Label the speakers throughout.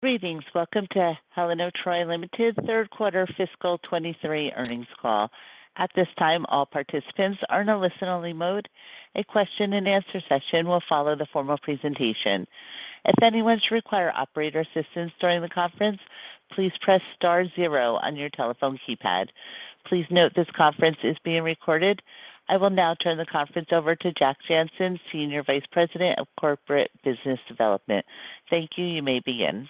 Speaker 1: Greetings. Welcome to Helen of Troy Limited Q3 fiscal 2023 earnings call. At this time, all participants are in a listen-only mode. A question-and-answer session will follow the formal presentation. If anyone should require operator assistance during the conference, please press star zero on your telephone keypad. Please note this conference is being recorded. I will now turn the conference over to Jack Jancin, Senior Vice President of Corporate Business Development. Thank you. You may begin.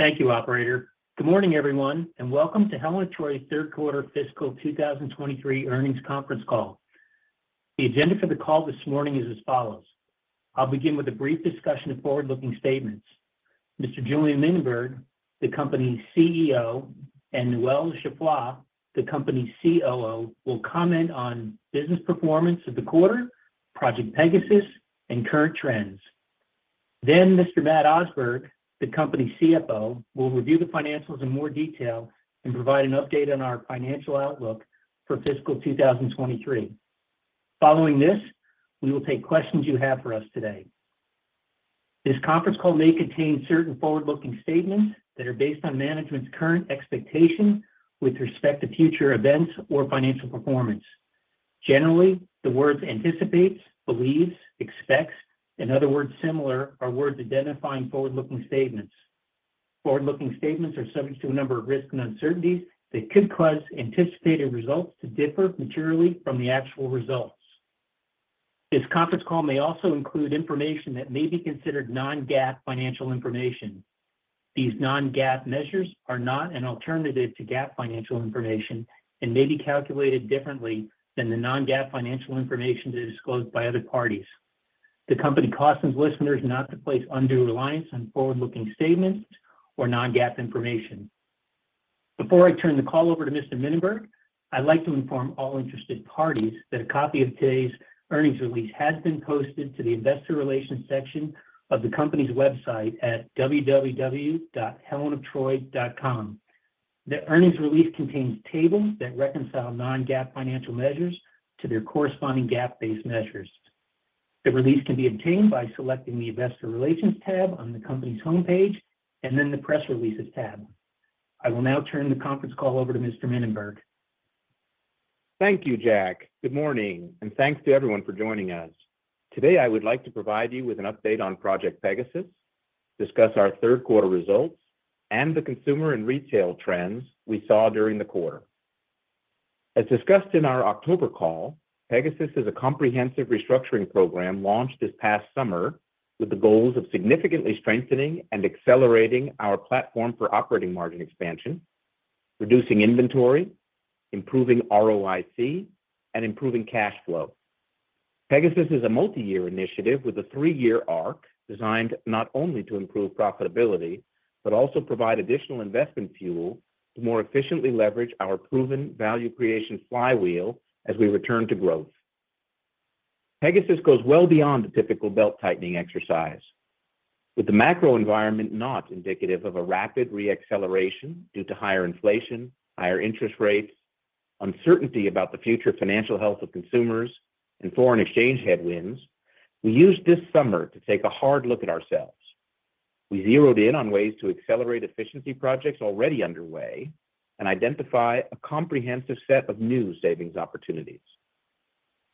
Speaker 2: Thank you, operator. Good morning, everyone, and welcome to Helen of Troy Q3 fiscal 2023 earnings conference call. The agenda for the call this morning is as follows. I'll begin with a brief discussion of forward-looking statements. Mr. Julien Mininberg, the company's CEO, and Noel Geoffroy, the company's COO, will comment on business performance of the quarter, Project Pegasus, and current trends. Mr. Matt Osberg, the company's CFO, will review the financials in more detail and provide an update on our financial outlook for fiscal 2023. Following this, we will take questions you have for us today. This conference call may contain certain forward-looking statements that are based on management's current expectation with respect to future events or financial performance. Generally, the words anticipates, believes, expects, and other words similar are words identifying forward-looking statements. Forward-looking statements are subject to a number of risks and uncertainties that could cause anticipated results to differ materially from the actual results. This conference call may also include information that may be considered non-GAAP financial information. These non-GAAP measures are not an alternative to GAAP financial information and may be calculated differently than the non-GAAP financial information disclosed by other parties. The company cautions listeners not to place undue reliance on forward-looking statements or non-GAAP information. Before I turn the call over to Mr. Mininberg, I'd like to inform all interested parties that a copy of today's earnings release has been posted to the investor relations section of the company's website at www.helenoftroy.com. The earnings release contains tables that reconcile non-GAAP financial measures to their corresponding GAAP-based measures. The release can be obtained by selecting the Investor Relations tab on the company's homepage and then the Press Releases tab. I will now turn the conference call over to Mr. Mininberg.
Speaker 3: Thank you, Jack. Good morning, and thanks to everyone for joining us. Today, I would like to provide you with an update on Project Pegasus, discuss our Q3 results, and the consumer and retail trends we saw during the quarter. As discussed in our October call, Pegasus is a comprehensive restructuring program launched this past summer with the goals of significantly strengthening and accelerating our platform for operating margin expansion, reducing inventory, improving ROIC, and improving cash flow. Pegasus is a multi-year initiative with a three-year arc designed not only to improve profitability, but also provide additional investment fuel to more efficiently leverage our proven value creation flywheel as we return to growth. Pegasus goes well beyond the typical belt-tightening exercise. With the macro environment not indicative of a rapid re-acceleration due to higher inflation, higher interest rates, uncertainty about the future financial health of consumers and foreign exchange headwinds, we used this summer to take a hard look at ourselves. We zeroed in on ways to accelerate efficiency projects already underway and identify a comprehensive set of new savings opportunities.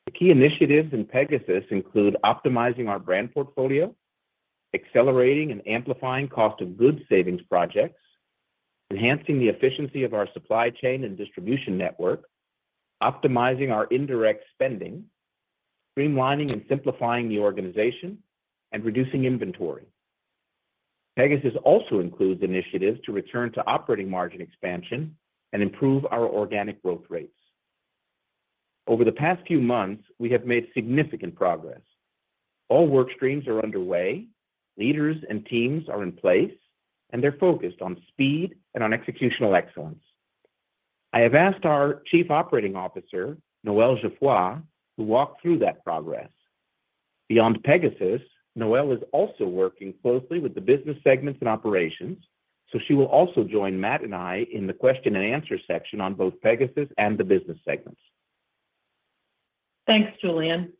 Speaker 3: The key initiatives in Pegasus include optimizing our brand portfolio, accelerating and amplifying cost of goods savings projects, enhancing the efficiency of our supply chain and distribution network, optimizing our indirect spending, streamlining and simplifying the organization, and reducing inventory. Pegasus also includes initiatives to return to operating margin expansion and improve our organic growth rates. Over the past few months, we have made significant progress. All work streams are underway, leaders and teams are in place, and they're focused on speed and on executional excellence. I have asked our Chief Operating Officer, Noel Geoffroy, to walk through that progress. Beyond Pegasus, Noel is also working closely with the business segments and operations, so she will also join Matt and I in the question and answer section on both Pegasus and the business segments.
Speaker 4: Thanks, Julien.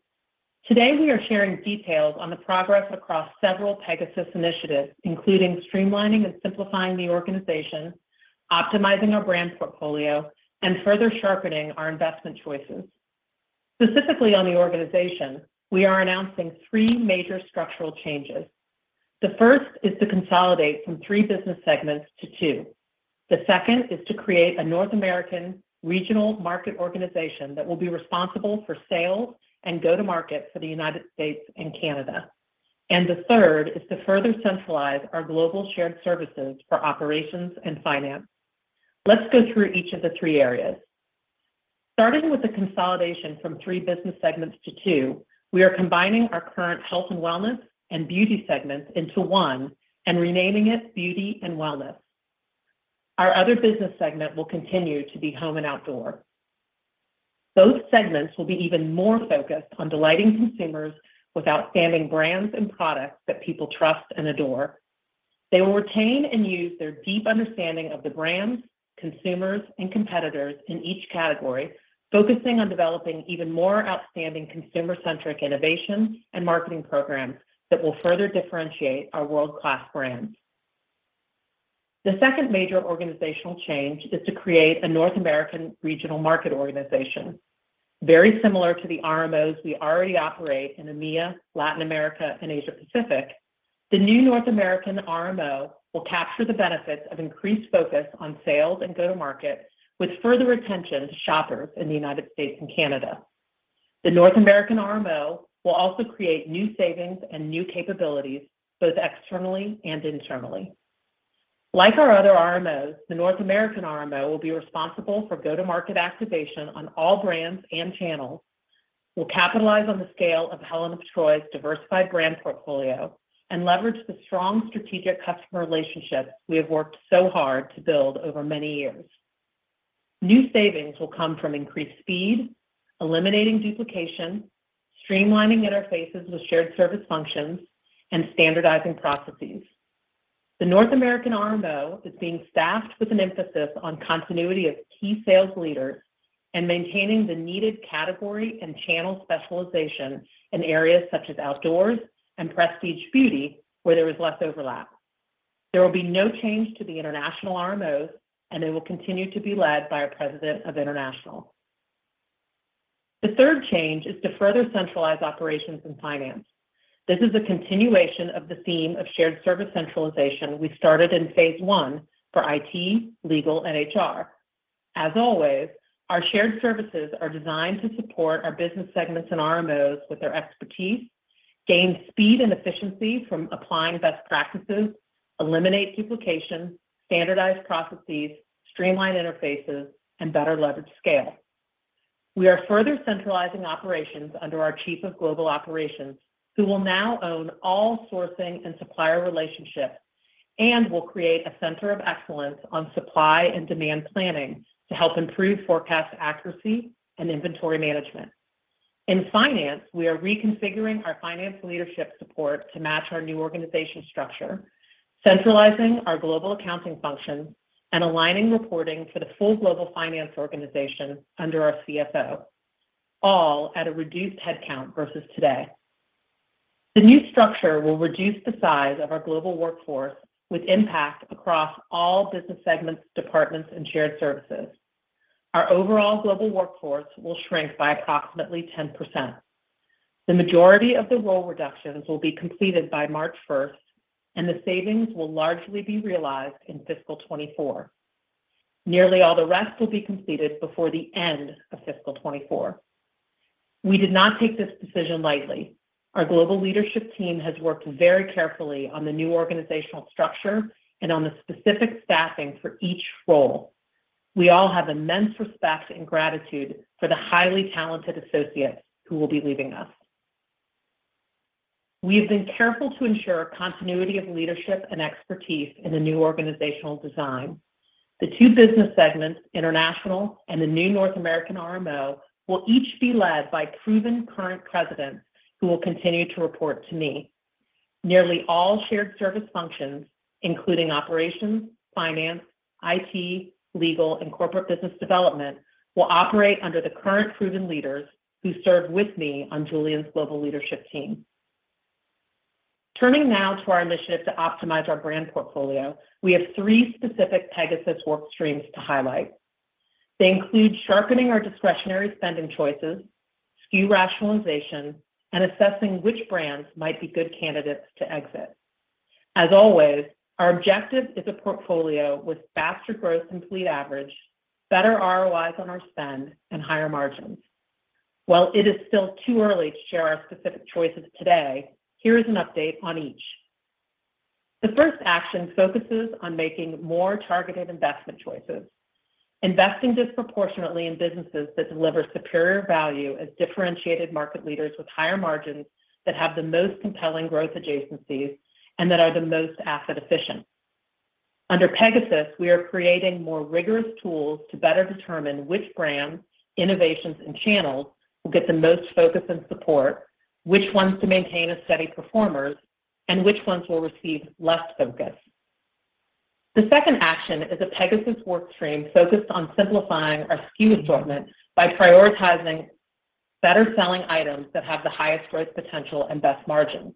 Speaker 4: Today, we are sharing details on the progress across several Pegasus initiatives, including streamlining and simplifying the organization, optimizing our brand portfolio, and further sharpening our investment choices. Specifically on the organization, we are announcing three major structural changes. The first is to consolidate from three business segments to two. The second is to create a North American Regional Market Organization that will be responsible for sales and go-to-market for the United States and Canada. The third is to further centralize our global shared services for operations and finance. Let's go through each of the three areas. Starting with the consolidation from three business segments to two, we are combining our current health and wellness and beauty segments into one and renaming it Beauty and Wellness. Our other business segment will continue to be Home and Outdoor. Both segments will be even more focused on delighting consumers with outstanding brands and products that people trust and adore. They will retain and use their deep understanding of the brands, consumers, and competitors in each category, focusing on developing even more outstanding consumer-centric innovations and marketing programs that will further differentiate our world-class brands. The second major organizational change is to create a North American Regional Market Organization. Very similar to the RMOs we already operate in EMEA, Latin America, and Asia Pacific, the new North American RMO will capture the benefits of increased focus on sales and go-to-market with further attention to shoppers in the United States and Canada. The North American RMO will also create new savings and new capabilities both externally and internally. Like our other RMOs, the North American RMO will be responsible for go-to-market activation on all brands and channels. We'll capitalize on the scale of Helen of Troy's diversified brand portfolio and leverage the strong strategic customer relationships we have worked so hard to build over many years. New savings will come from increased speed, eliminating duplication, streamlining interfaces with shared service functions, and standardizing processes. The North American RMO is being staffed with an emphasis on continuity of key sales leaders and maintaining the needed category and channel specialization in areas such as outdoors and prestige beauty, where there is less overlap. There will be no change to the international RMOs, and they will continue to be led by our president of international. The third change is to further centralize operations and finance. This is a continuation of the theme of shared service centralization we started in phase I for IT, legal, and HR. As always, our shared services are designed to support our business segments and RMOs with their expertise, gain speed and efficiency from applying best practices, eliminate duplication, standardize processes, streamline interfaces, and better leverage scale. We are further centralizing operations under our Chief of Global Operations, who will now own all sourcing and supplier relationships and will create a center of excellence on supply and demand planning to help improve forecast accuracy and inventory management. In finance, we are reconfiguring our finance leadership support to match our new organization structure, centralizing our global accounting function, and aligning reporting for the full global finance organization under our CFO, all at a reduced headcount versus today. The new structure will reduce the size of our global workforce with impact across all business segments, departments, and shared services. Our overall global workforce will shrink by approximately 10%. The majority of the role reductions will be completed by March 1st. The savings will largely be realized in fiscal 2024. Nearly all the rest will be completed before the end of fiscal 2024. We did not take this decision lightly. Our global leadership team has worked very carefully on the new organizational structure and on the specific staffing for each role. We all have immense respect and gratitude for the highly talented associates who will be leaving us. We have been careful to ensure continuity of leadership and expertise in the new organizational design. The two business segments, international and the new North American RMO, will each be led by proven current presidents who will continue to report to me. Nearly all shared service functions, including operations, finance, IT, legal, and corporate business development, will operate under the current proven leaders who serve with me on Julien's global leadership team. Turning now to our initiative to optimize our brand portfolio, we have three specific Pegasus work streams to highlight. They include sharpening our discretionary spending choices, SKU rationalization, and assessing which brands might be good candidates to exit. As always, our objective is a portfolio with faster growth than fleet average, better ROIs on our spend, and higher margins. While it is still too early to share our specific choices today, here is an update on each. The first action focuses on making more targeted investment choices, investing disproportionately in businesses that deliver superior value as differentiated market leaders with higher margins that have the most compelling growth adjacencies and that are the most asset efficient. Under Pegasus, we are creating more rigorous tools to better determine which brands, innovations, and channels will get the most focus and support, which ones to maintain as steady performers, and which ones will receive less focus. The second action is a Pegasus work stream focused on simplifying our SKU assortment by prioritizing better-selling items that have the highest growth potential and best margins.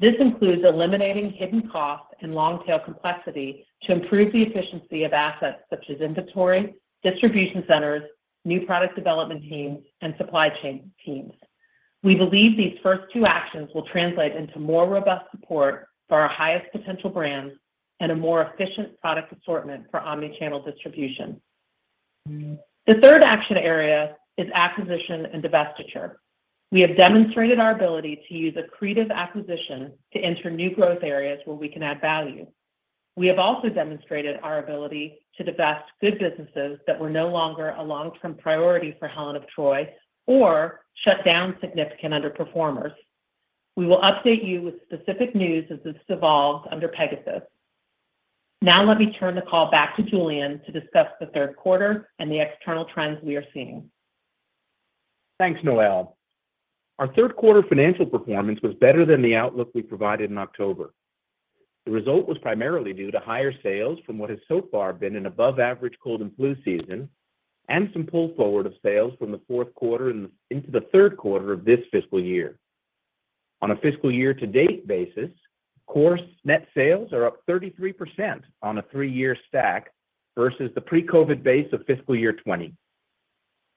Speaker 4: This includes eliminating hidden costs and long-tail complexity to improve the efficiency of assets such as inventory, distribution centers, new product development teams, and supply chain teams. We believe these first two actions will translate into more robust support for our highest potential brands and a more efficient product assortment for omni-channel distribution. The third action area is acquisition and divestiture. We have demonstrated our ability to use accretive acquisition to enter new growth areas where we can add value. We have also demonstrated our ability to divest good businesses that were no longer a long-term priority for Helen of Troy or shut down significant underperformers. We will update you with specific news as this evolves under Pegasus. Let me turn the call back to Julien to discuss the Q3 and the external trends we are seeing.
Speaker 3: Thanks, Noel. Our Q3 financial performance was better than the outlook we provided in October. The result was primarily due to higher sales from what has so far been an above average cold and flu season and some pull forward of sales from the Q4 into the Q3 of this fiscal year. On a fiscal year to date basis, core net sales are up 33% on a three-year stack versus the pre-COVID base of fiscal year 2020.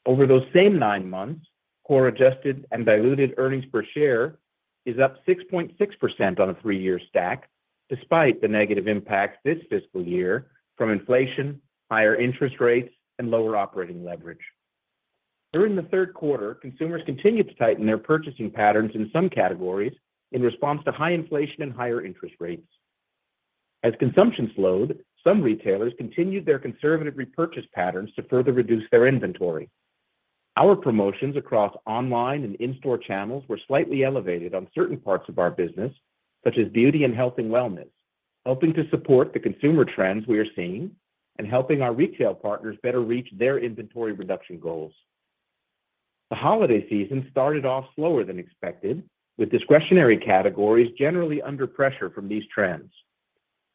Speaker 3: Over those same nine months, core adjusted and diluted earnings per share is up 6.6% on a three-year stack despite the negative impact this fiscal year from inflation, higher interest rates, and lower operating leverage. During the Q3, consumers continued to tighten their purchasing patterns in some categories in response to high inflation and higher interest rates. As consumption slowed, some retailers continued their conservative repurchase patterns to further reduce their inventory. Our promotions across online and in-store channels were slightly elevated on certain parts of our business, such as beauty and health and wellness, helping to support the consumer trends we are seeing and helping our retail partners better reach their inventory reduction goals. The holiday season started off slower than expected, with discretionary categories generally under pressure from these trends.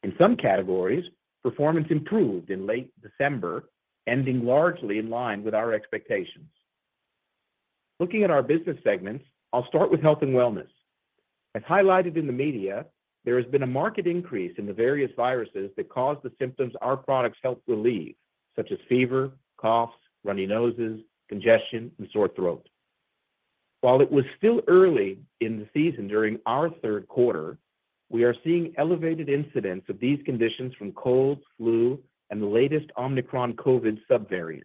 Speaker 3: In some categories, performance improved in late December, ending largely in line with our expectations. Looking at our business segments, I'll start with health and wellness. As highlighted in the media, there has been a marked increase in the various viruses that cause the symptoms our products help relieve, such as fever, cough, runny noses, congestion, and sore throat. While it was still early in the season during our Q3, we are seeing elevated incidents of these conditions from cold, flu, and the latest Omicron COVID subvariants.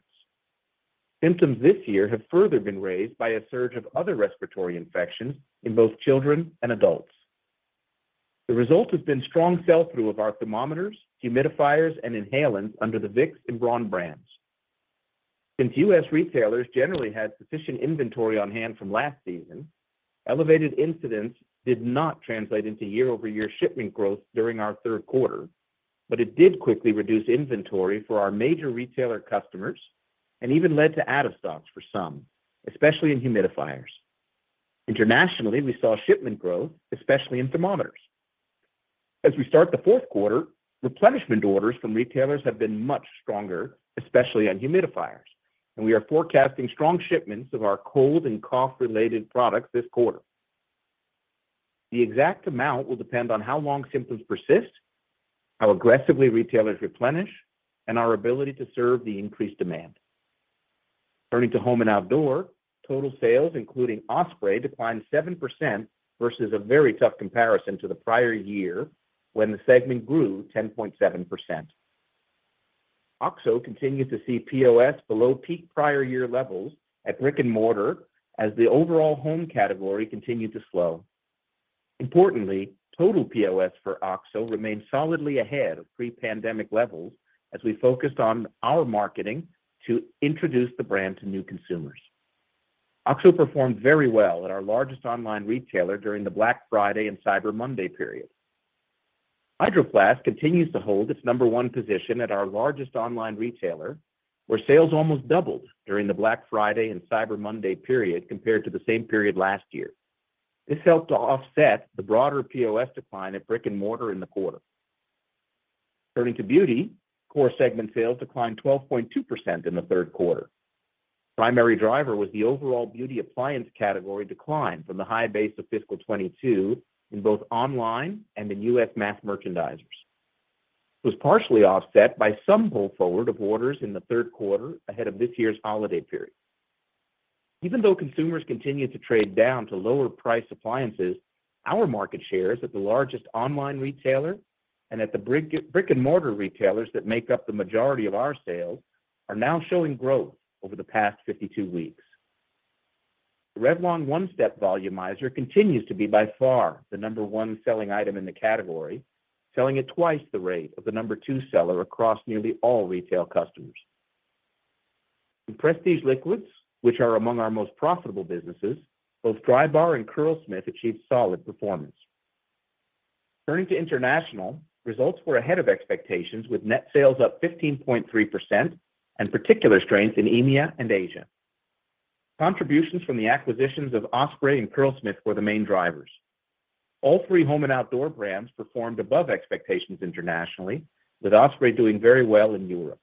Speaker 3: Symptoms this year have further been raised by a surge of other respiratory infections in both children and and adults. The result has been strong sell-through of our thermometers, humidifiers, and inhalants under the Vicks and Braun brands. Since U.S. retailers generally had sufficient inventory on hand from last season, elevated incidents did not translate into year-over-year shipment growth during our Q3, but it did quickly reduce inventory for our major retailer customers and even led to out of stocks for some, especially in humidifiers. Internationally, we saw shipment growth, especially in thermometers. As we start the Q4, replenishment orders from retailers have been much stronger, especially on humidifiers, and we are forecasting strong shipments of our cold and cough-related products this quarter. The exact amount will depend on how long symptoms persist, how aggressively retailers replenish, and our ability to serve the increased demand. Turning to Home & Outdoor, total sales, including Osprey, declined 7% versus a very tough comparison to the prior year when the segment grew 10.7%. OXO continued to see POS below peak prior year levels at brick-and-mortar as the overall home category continued to slow. Importantly, total POS for OXO remained solidly ahead of pre-pandemic levels as we focused on our marketing to introduce the brand to new consumers. OXO performed very well at our largest online retailer during the Black Friday and Cyber Monday period. Hydro Flask continues to hold its number one position at our largest online retailer, where sales almost doubled during the Black Friday and Cyber Monday period compared to the same period last year. This helped to offset the broader POS decline at brick-and-mortar in the quarter. Turning to beauty, core segment sales declined 12.2% in the Q3. Primary driver was the overall Beauty appliance category decline from the high base of fiscal 2022 in both online and in U.S. mass merchandisers. It was partially offset by some pull forward of orders in the Q3 ahead of this year's holiday period. Even though consumers continued to trade down to lower price appliances, our market shares at the largest online retailer and at the brick-and-mortar retailers that make up the majority of our sales are now showing growth over the past 52 weeks. The Revlon One-Step Volumizer continues to be by far the number one selling item in the category, selling at twice the rate of the number two seller across nearly all retail customers. In prestige liquids, which are among our most profitable businesses, both Drybar and Curlsmith achieved solid performance. Turning to international, results were ahead of expectations with net sales up 15.3% and particular strength in EMEA and Asia. Contributions from the acquisitions of Osprey and Curlsmith were the main drivers. All three home and outdoor brands performed above expectations internationally, with Osprey doing very well in Europe.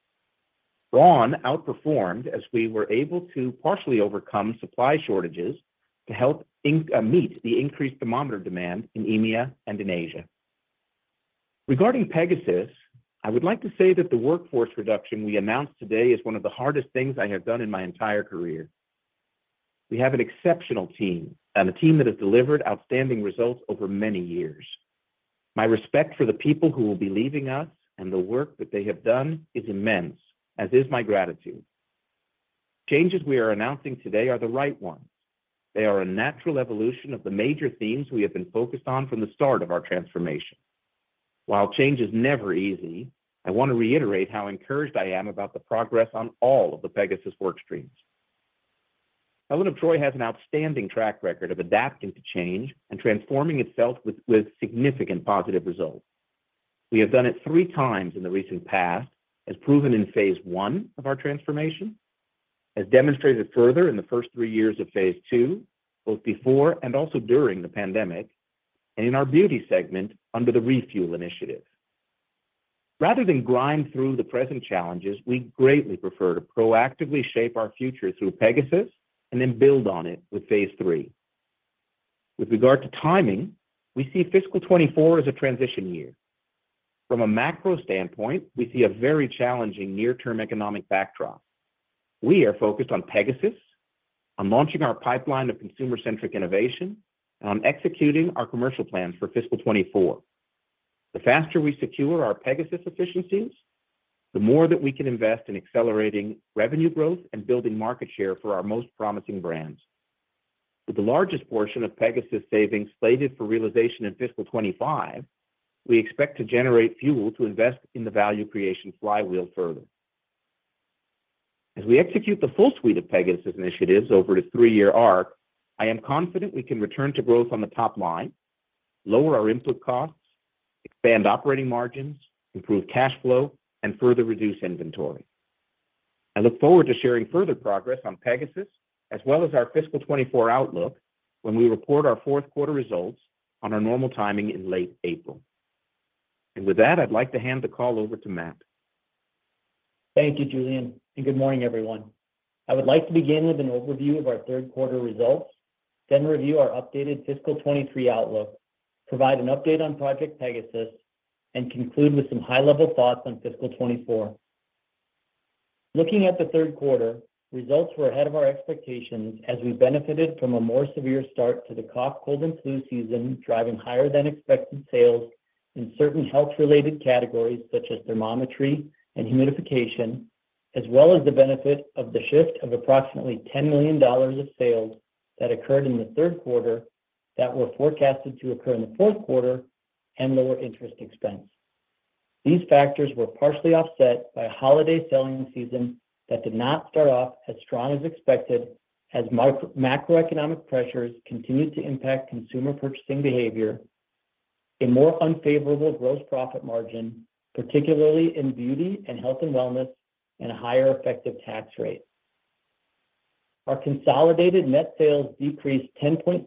Speaker 3: Braun outperformed as we were able to partially overcome supply shortages to help meet the increased thermometer demand in EMEA and in Asia. Regarding Pegasus, I would like to say that the workforce reduction we announced today is one of the hardest things I have done in my entire career. We have an exceptional team and a team that has delivered outstanding results over many years. My respect for the people who will be leaving us and the work that they have done is immense, as is my gratitude. Changes we are announcing today are the right ones. They are a natural evolution of the major themes we have been focused on from the start of our transformation. While change is never easy, I want to reiterate how encouraged I am about the progress on all of the Pegasus work streams. Helen of Troy has an outstanding track record of adapting to change and transforming itself with significant positive results. We have done it 3x in the recent past, as proven in phase I of our transformation, as demonstrated further in the first three years of phase II, both before and also during the pandemic, and in our Beauty segment under the Refuel initiative. Rather than grind through the present challenges, we greatly prefer to proactively shape our future through Pegasus and then build on it with phase III. With regard to timing, we see fiscal 2024 as a transition year. From a macro standpoint, we see a very challenging near-term economic backdrop. We are focused on Pegasus, on launching our pipeline of consumer-centric innovation, and on executing our commercial plans for fiscal 2024. The faster we secure our Pegasus efficiencies, the more that we can invest in accelerating revenue growth and building market share for our most promising brands. With the largest portion of Pegasus savings slated for realization in fiscal 2025, we expect to generate fuel to invest in the value creation flywheel further. As we execute the full suite of Pegasus initiatives over a three-year arc, I am confident we can return to growth on the top line, lower our input costs, expand operating margins, improve cash flow, and further reduce inventory. I look forward to sharing further progress on Pegasus as well as our fiscal 2024 outlook when we report our Q4 results on our normal timing in late April. With that, I'd like to hand the call over to Matt.
Speaker 5: Thank you, Julien. Good morning, everyone. I would like to begin with an overview of our Q3 results, then review our updated fiscal 2023 outlook, provide an update on Project Pegasus, and conclude with some high-level thoughts on fiscal 2024. Looking at the Q3, results were ahead of our expectations as we benefited from a more severe start to the cough, cold, and flu season, driving higher than expected sales in certain health-related categories, such as thermometry and humidification, as well as the benefit of the shift of approximately $10 million of sales that occurred in the Q3 that were forecasted to occur in the Q4 and lower interest expense. These factors were partially offset by a holiday selling season that did not start off as strong as expected as macroeconomic pressures continued to impact consumer purchasing behavior, a more unfavorable gross profit margin, particularly in Beauty and Health and Wellness, and a higher effective tax rate. Our consolidated net sales decreased 10.6%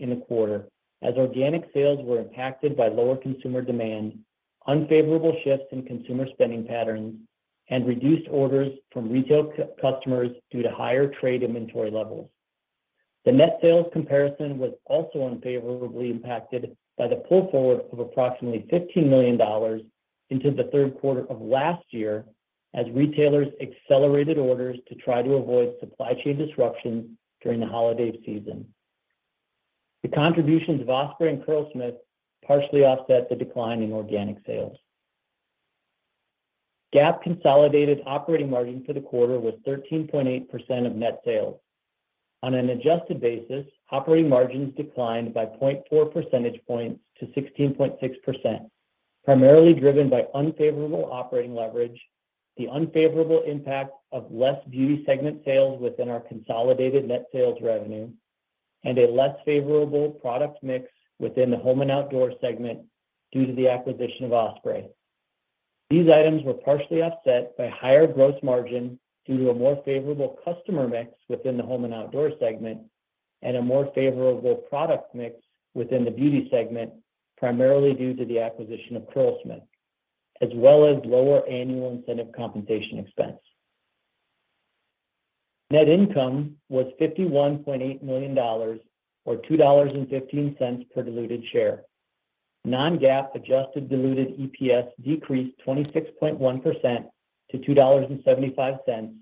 Speaker 5: in the quarter as organic sales were impacted by lower consumer demand, unfavorable shifts in consumer spending patterns, and reduced orders from retail customers due to higher trade inventory levels. The net sales comparison was also unfavorably impacted by the pull forward of approximately $15 million into the Q3 of last year as retailers accelerated orders to try to avoid supply chain disruptions during the holiday season. The contributions of Osprey and Curlsmith partially offset the decline in organic sales. GAAP consolidated operating margin for the quarter was 13.8% of net sales. On an adjusted basis, operating margins declined by 0.4 percentage points to 16.6%, primarily driven by unfavorable operating leverage, the unfavorable impact of less Beauty segment sales within our consolidated net sales revenue, and a less favorable product mix within the Home & Outdoor segment due to the acquisition of Osprey. These items were partially offset by higher gross margin due to a more favorable customer mix within the Home & Outdoor segment and a more favorable product mix within the Beauty segment, primarily due to the acquisition of Curlsmith, as well as lower annual incentive compensation expense. Net income was $51.8 million or $2.15 per diluted share. Non-GAAP adjusted diluted EPS decreased 26.1% to $2.75,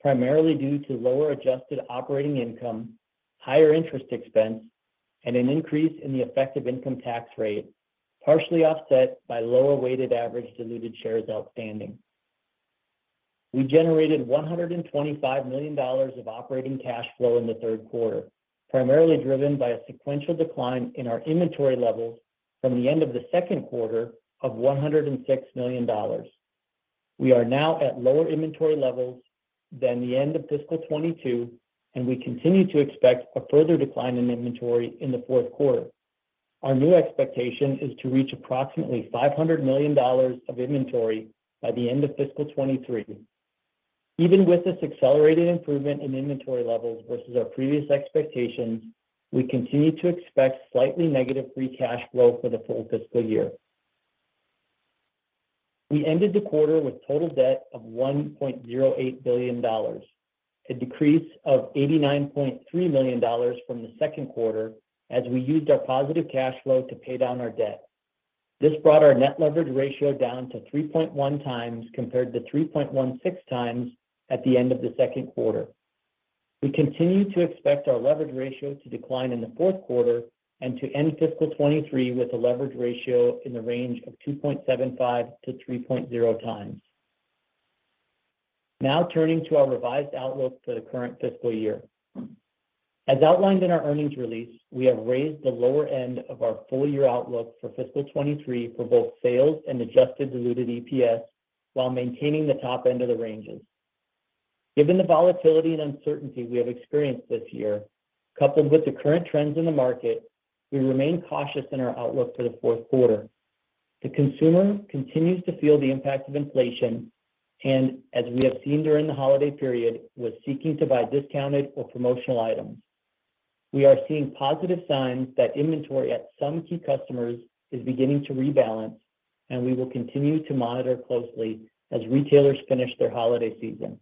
Speaker 5: primarily due to lower adjusted operating income, higher interest expense, and an increase in the effective income tax rate, partially offset by lower weighted average diluted shares outstanding. We generated $125 million of operating cash flow in the Q3, primarily driven by a sequential decline in our inventory levels from the end of the Q2 of $106 million. We are now at lower inventory levels than the end of fiscal 2022, and we continue to expect a further decline in inventory in the Q4. Our new expectation is to reach approximately $500 million of inventory by the end of fiscal 2023. Even with this accelerated improvement in inventory levels versus our previous expectations, we continue to expect slightly negative free cash flow for the full fiscal year. We ended the quarter with total debt of $1.08 billion, a decrease of $89.3 million from the Q2, as we used our positive cash flow to pay down our debt. This brought our net leverage ratio down to 3.1x compared to 3.16x at the end of the Q2. We continue to expect our leverage ratio to decline in the Q4 and to end fiscal 2023 with a leverage ratio in the range of 2.75x-3.0x. Turning to our revised outlook for the current fiscal year. As outlined in our earnings release, we have raised the lower end of our full-year outlook for fiscal 2023 for both sales and adjusted diluted EPS while maintaining the top end of the ranges. Given the volatility and uncertainty we have experienced this year, coupled with the current trends in the market, we remain cautious in our outlook for the Q4. The consumer continues to feel the impact of inflation and, as we have seen during the holiday period, was seeking to buy discounted or promotional items. We are seeing positive signs that inventory at some key customers is beginning to rebalance, and we will continue to monitor closely as retailers finish their holiday season.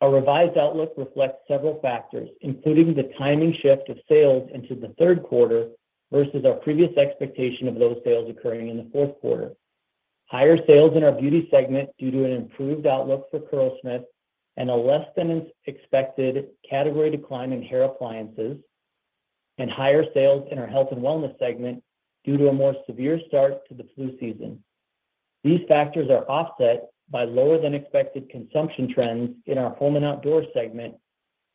Speaker 5: Our revised outlook reflects several factors, including the timing shift of sales into the Q3 versus our previous expectation of those sales occurring in the Q4. Higher sales in our Beauty segment due to an improved outlook for Curlsmith and a less than expected category decline in hair appliances, and higher sales in our health and wellness segment due to a more severe start to the flu season. These factors are offset by lower than expected consumption trends in our Home & Outdoor segment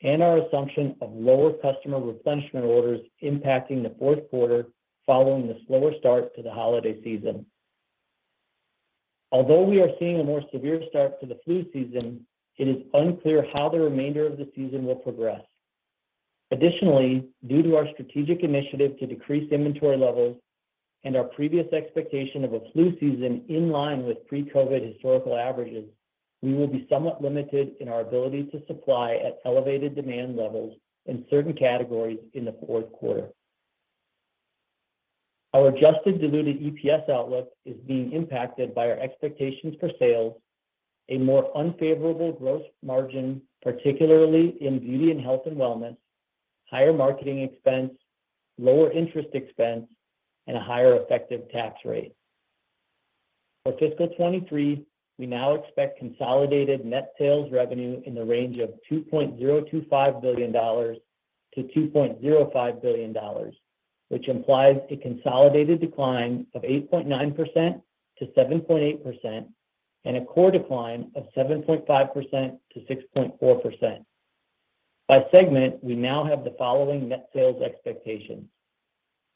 Speaker 5: and our assumption of lower customer replenishment orders impacting the Q4 following the slower start to the holiday season. Although we are seeing a more severe start to the flu season, it is unclear how the remainder of the season will progress. Additionally, due to our strategic initiative to decrease inventory levels and our previous expectation of a flu season in line with pre-COVID historical averages, we will be somewhat limited in our ability to supply at elevated demand levels in certain categories in the Q4. Our adjusted diluted EPS outlook is being impacted by our expectations for sales, a more unfavorable gross margin, particularly in Beauty and health and Wellness, higher marketing expense, lower interest expense, and a higher effective tax rate. For fiscal 2023, we now expect consolidated net sales revenue in the range of $2.025 billion-$2.05 billion, which implies a consolidated decline of 8.9%-7.8% and a core decline of 7.5%-6.4%. By segment, we now have the following net sales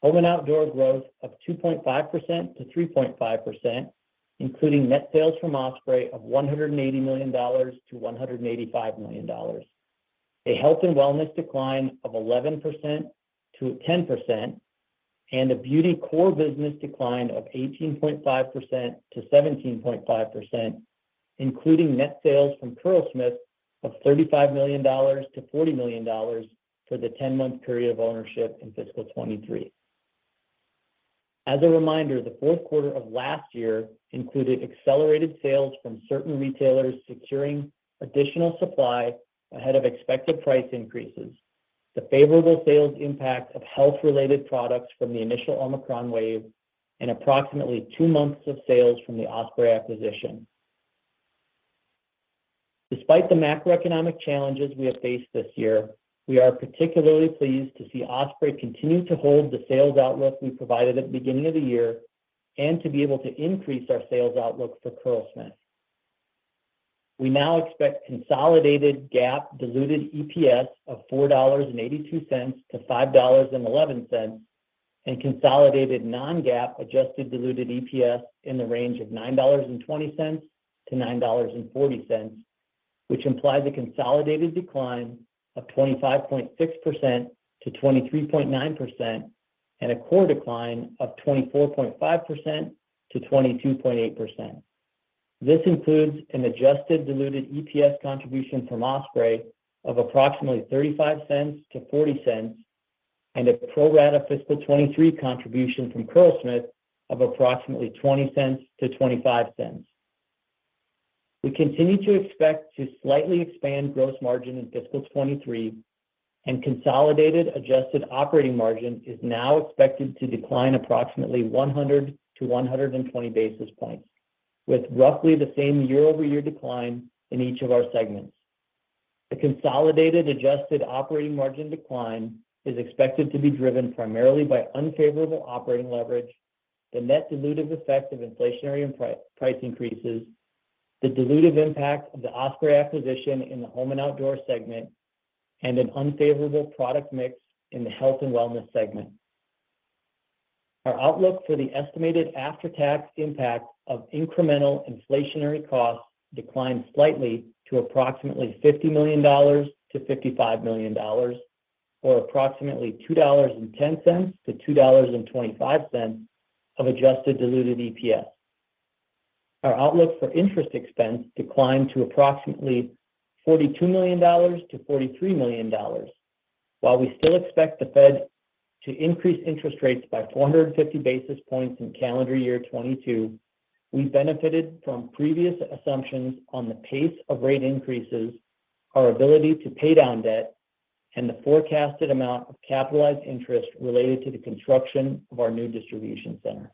Speaker 5: expectations. Home & Outdoor growth of 2.5%-3.5%, including net sales from Osprey of $180 million-$185 million. A health and wellness decline of 11%-10%, and a beauty core business decline of 18.5%-17.5%, including net sales from Curlsmith of $35 million-$40 million for the 10-month period of ownership in fiscal 2023. As a reminder, the Q4 of last year included accelerated sales from certain retailers securing additional supply ahead of expected price increases. The favorable sales impact of health-related products from the initial Omicron wave and approximately two months of sales from the Osprey acquisition. Despite the macroeconomic challenges we have faced this year, we are particularly pleased to see Osprey continue to hold the sales outlook we provided at the beginning of the year and to be able to increase our sales outlook for Curlsmith. We now expect consolidated GAAP diluted EPS of $4.82-$5.11, and consolidated non-GAAP adjusted diluted EPS in the range of $9.20-$9.40, which implies a consolidated decline of 25.6%-23.9% and a core decline of 24.5%-22.8%. This includes an adjusted diluted EPS contribution from Osprey of approximately $0.35-$0.40 and a pro rata fiscal 2023 contribution from Curlsmith of approximately $0.20-$0.25. We continue to expect to slightly expand gross margin in fiscal 2023, and consolidated adjusted operating margin is now expected to decline approximately 100-120 basis points, with roughly the same year-over-year decline in each of our segments. The consolidated adjusted operating margin decline is expected to be driven primarily by unfavorable operating leverage, the net dilutive effect of inflationary and price increases, the dilutive impact of the Osprey acquisition in the Home & Outdoor segment, and an unfavorable product mix in the Beauty & Wellness segment. Our outlook for the estimated after-tax impact of incremental inflationary costs declined slightly to approximately $50 million-$55 million, or approximately $2.10-$2.25 of adjusted diluted EPS. Our outlook for interest expense declined to approximately $42 million-$43 million. While we still expect the Fed to increase interest rates by 450 basis points in calendar year 2022, we benefited from previous assumptions on the pace of rate increases, our ability to pay down debt, and the forecasted amount of capitalized interest related to the construction of our new distribution center.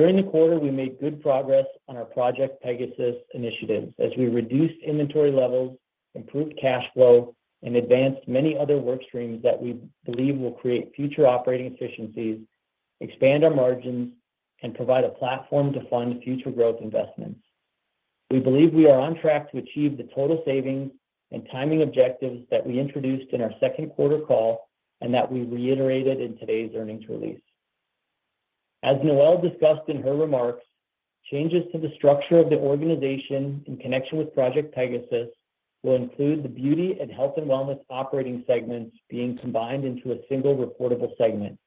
Speaker 5: During the quarter, we made good progress on our Project Pegasus initiatives as we reduced inventory levels, improved cash flow, and advanced many other work streams that we believe will create future operating efficiencies, expand our margins, and provide a platform to fund future growth investments. We believe we are on track to achieve the total savings and timing objectives that we introduced in our Q2 call and that we reiterated in today's earnings release. As Noel discussed in her remarks, changes to the structure of the organization in connection with Project Pegasus will include the beauty and health and wellness operating segments being combined into a single reportable segment,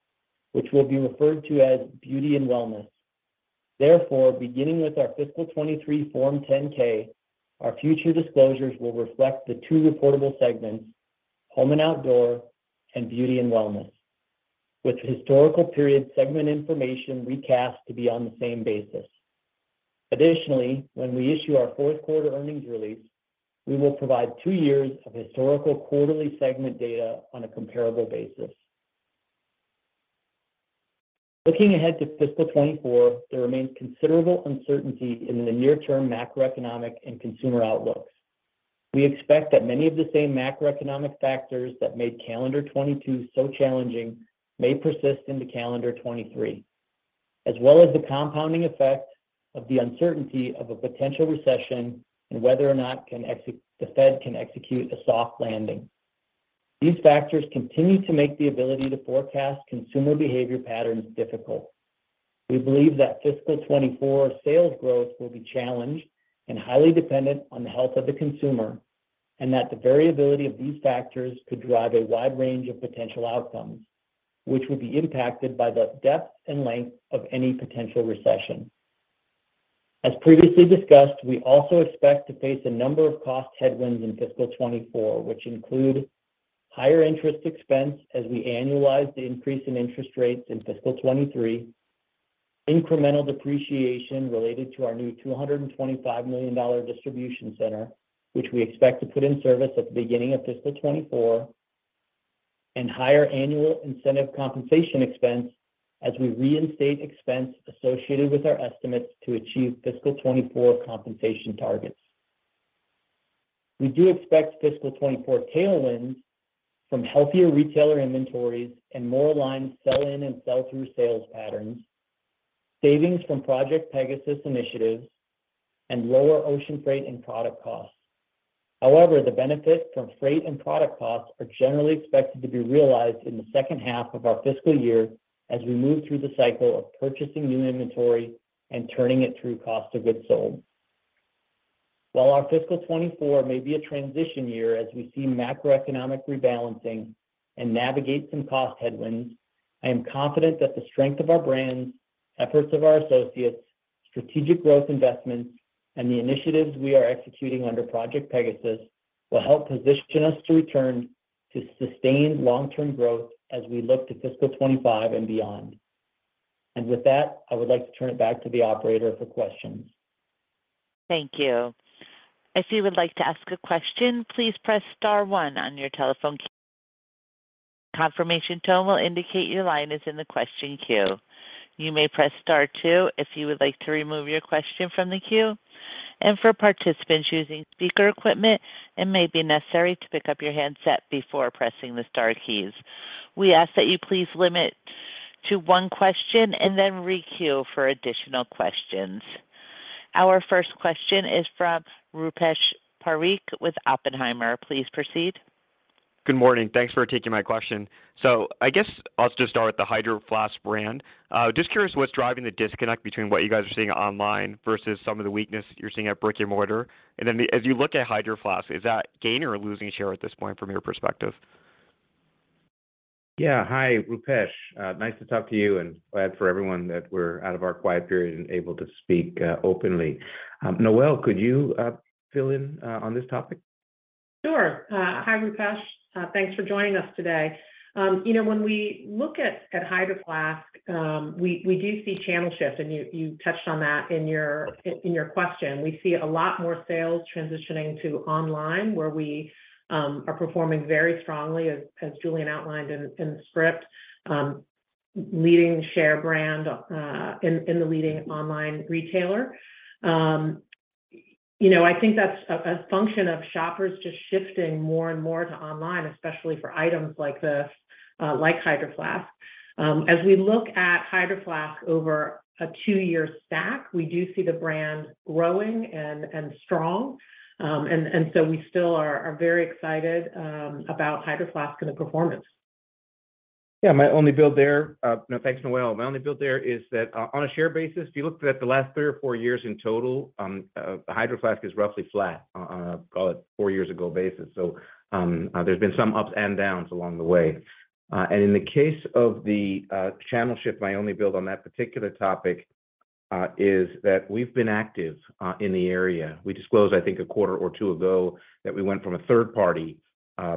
Speaker 5: which will be referred to as Beauty & Wellness. Beginning with our fiscal 2023 Form 10-K, our future disclosures will reflect the two reportable segments, Home & Outdoor and Beauty & Wellness, with historical period segment information recast to be on the same basis. When we issue our Q4 earnings release, we will provide two years of historical quarterly segment data on a comparable basis. Looking ahead to fiscal 2024, there remains considerable uncertainty in the near term macroeconomic and consumer outlooks. We expect that many of the same macroeconomic factors that made calendar 2022 so challenging may persist into calendar 2023, as well as the compounding effect of the uncertainty of a potential recession and whether or not the Fed can execute a soft landing. These factors continue to make the ability to forecast consumer behavior patterns difficult. We believe that fiscal 2024 sales growth will be challenged and highly dependent on the health of the consumer, that the variability of these factors could drive a wide range of potential outcomes, which would be impacted by the depth and length of any potential recession. As previously discussed, we also expect to face a number of cost headwinds in fiscal 2024, which include higher interest expense as we annualize the increase in interest rates in fiscal 2023, incremental depreciation related to our new $225 million distribution center, which we expect to put in service at the beginning of fiscal 2024, and higher annual incentive compensation expense as we reinstate expense associated with our estimates to achieve fiscal 2024 compensation targets. We do expect fiscal 2024 tailwinds from healthier retailer inventories and more aligned sell-in and sell-through sales patterns, savings from Project Pegasus initiatives, and lower ocean freight and product costs. The benefit from freight and product costs are generally expected to be realized in the second half of our fiscal year as we move through the cycle of purchasing new inventory and turning it through cost of goods sold. While our fiscal 2024 may be a transition year as we see macroeconomic rebalancing and navigate some cost headwinds, I am confident that the strength of our brands, efforts of our associates, strategic growth investments, and the initiatives we are executing under Project Pegasus will help position us to return to sustained long-term growth as we look to fiscal 2025 and beyond. With that, I would like to turn it back to the operator for questions.
Speaker 1: Thank you. If you would like to ask a question, please press star one on your telephone key. Confirmation tone will indicate your line is in the question queue. You may press star two if you would like to remove your question from the queue. For participants using speaker equipment, it may be necessary to pick up your handset before pressing the star keys. We ask that you please limit to one question and then re-queue for additional questions. Our first question is from Rupesh Parikh with Oppenheimer. Please proceed.
Speaker 6: Good morning. Thanks for taking my question. I guess I'll just start with the Hydro Flask brand. Just curious what's driving the disconnect between what you guys are seeing online versus some of the weakness you're seeing at brick-and-mortar. As you look at Hydro Flask, is that gain or losing share at this point from your perspective?
Speaker 3: Yeah. Hi, Rupesh. Nice to talk to you and glad for everyone that we're out of our quiet period and able to speak openly. Noel, could you fill in on this topic?
Speaker 4: Sure. Hi, Rupesh. Thanks for joining us today. You know, when we look at Hydro Flask, we do see channel shifts, and you touched on that in your question. We see a lot more sales transitioning to online, where we are performing very strongly as Julien outlined in the script, leading share brand in the leading online retailer. You know, I think that's a function of shoppers just shifting more and more to online, especially for items like this, like Hydro Flask. As we look at Hydro Flask over a two-year stack, we do see the brand growing and strong. We still are very excited about Hydro Flask and the performance.
Speaker 3: Yeah. My only build there. No. Thanks, Noel. My only build there is that on a share basis, if you looked at the last three or four years in total, Hydro Flask is roughly flat on a call it four years ago basis. There's been some ups and downs along the way. In the case of the channel shift, my only build on that particular topic is that we've been active in the area. We disclosed, I think a quarter or two ago that we went from a third party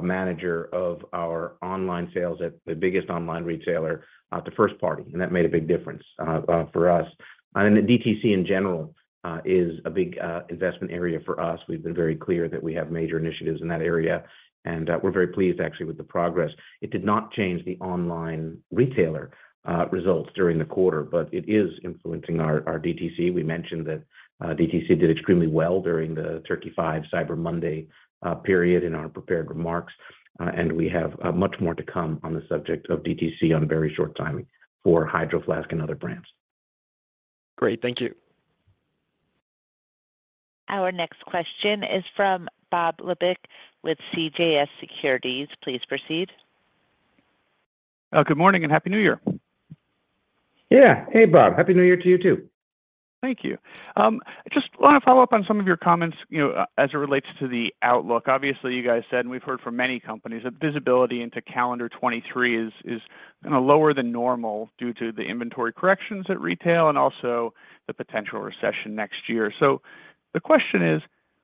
Speaker 3: manager of our online sales at the biggest online retailer to first party, and that made a big difference for us. DTC in general is a big investment area for us. We've been very clear that we have major initiatives in that area, and we're very pleased actually with the progress. It did not change the online retailer results during the quarter, but it is influencing our DTC. We mentioned that DTC did extremely well during the Turkey Five Cyber Monday period in our prepared remarks, and we have much more to come on the subject of DTC on very short timing for Hydro Flask and other brands.
Speaker 6: Great. Thank you.
Speaker 1: Our next question is from Bob Labick with CJS Securities. Please proceed.
Speaker 7: Good morning and Happy New Year.
Speaker 3: Yeah. Hey, Bob. Happy New Year to you too.
Speaker 7: Thank you. Just wanna follow up on some of your comments, you know, as it relates to the outlook. Obviously, you guys said, and we've heard from many companies that visibility into calendar 2023 is kinda lower than normal due to the inventory corrections at retail and also the potential recession next year. The question is.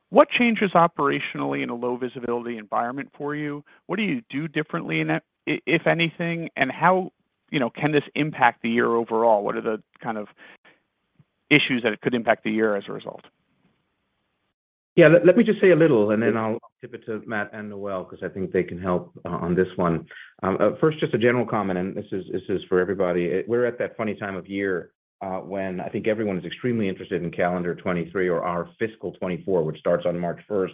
Speaker 7: What changes operationally in a low visibility environment for you? What do you do differently in that, if anything? How, you know, can this impact the year overall? What are the kind of issues that it could impact the year as a result?
Speaker 3: Yeah. Let me just say a little, and then I'll tip it to Matt and Noel because I think they can help on this one. First, just a general comment, this is for everybody. We're at that funny time of year, when I think everyone is extremely interested in calendar 2023 or our fiscal 2024, which starts on March 1st.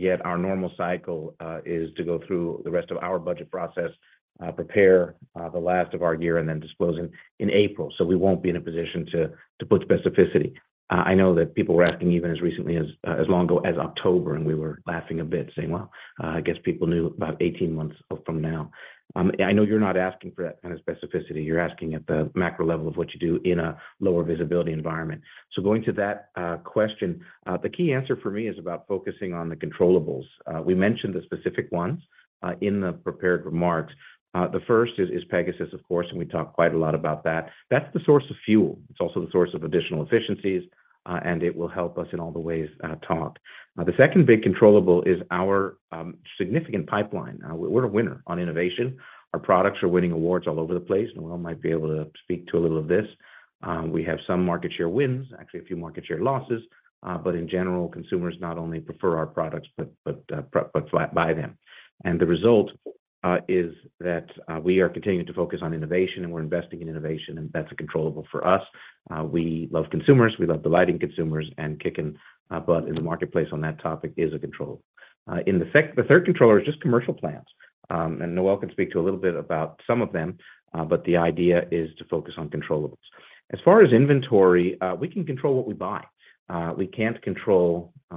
Speaker 3: Yet our normal cycle is to go through the rest of our budget process, prepare the last of our year and then disclose in April. We won't be in a position to put specificity. I know that people were asking even as recently as long ago as October, and we were laughing a bit saying, "Well, I guess people knew about 18 months from now." I know you're not asking for that kind of specificity. You're asking at the macro level of what you do in a lower visibility environment. Going to that question, the key answer for me is about focusing on the controllables. We mentioned the specific ones in the prepared remarks. The first is Pegasus, of course, and we talked quite a lot about that. That's the source of fuel. It's also the source of additional efficiencies, and it will help us in all the ways talked. The second big controllable is our significant pipeline. We're a winner on innovation. Our products are winning awards all over the place. Noel might be able to speak to a little of this. We have some market share wins, actually a few market share losses. In general, consumers not only prefer our products, but flat buy them. The result is that we are continuing to focus on innovation and we're investing in innovation, and that's a controllable for us. We love consumers, we love delighting consumers, and kicking a butt in the marketplace on that topic is a control. In the third controller is just commercial plans, and Noel can speak to a little bit about some of them. The idea is to focus on controllables. As far as inventory, we can control what we buy.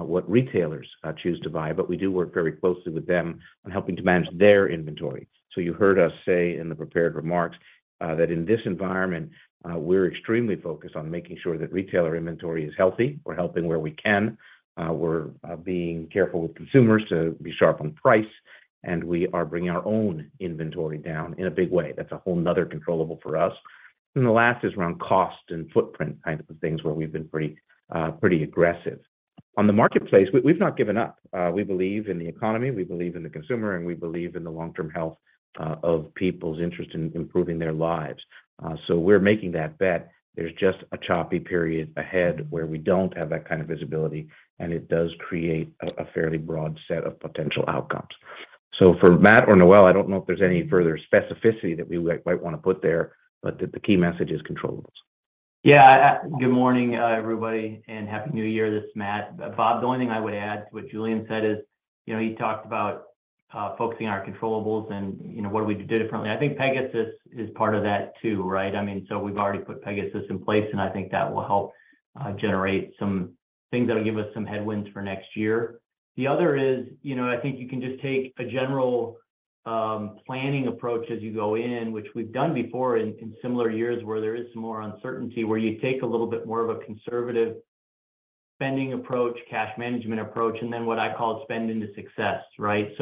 Speaker 3: What retailers choose to buy, but we do work very closely with them on helping to manage their inventory. You heard us say in the prepared remarks that in this environment, we're extremely focused on making sure that retailer inventory is healthy. We're helping where we can. We're being careful with consumers to be sharp on price, and we are bringing our own inventory down in a big way. That's a whole another controllable for us. The last is around cost and footprint kind of things where we've been pretty aggressive. On the marketplace, we've not given up. We believe in the economy, we believe in the consumer, and we believe in the long-term health of people's interest in improving their lives. We're making that bet. There's just a choppy period ahead where we don't have that kind of visibility, and it does create a fairly broad set of potential outcomes. For Matt or Noel, I don't know if there's any further specificity that we might wanna put there, but the key message is controllables.
Speaker 5: Yeah. Good morning, everybody, and Happy New Year. This is Matt. Bob, the only thing I would add to what Julien said is, you know, he talked about focusing on our controllables and, you know, what do we do differently. I think Pegasus is part of that too, right? I mean, so we've already put Pegasus in place, and I think that will help generate some things that'll give us some headwinds for next year. The other is, you know, I think you can just take a general planning approach as you go in, which we've done before in similar years where there is some more uncertainty, where you take a little bit more of a conservative spending approach, cash management approach, and then what I call spend into success, right? As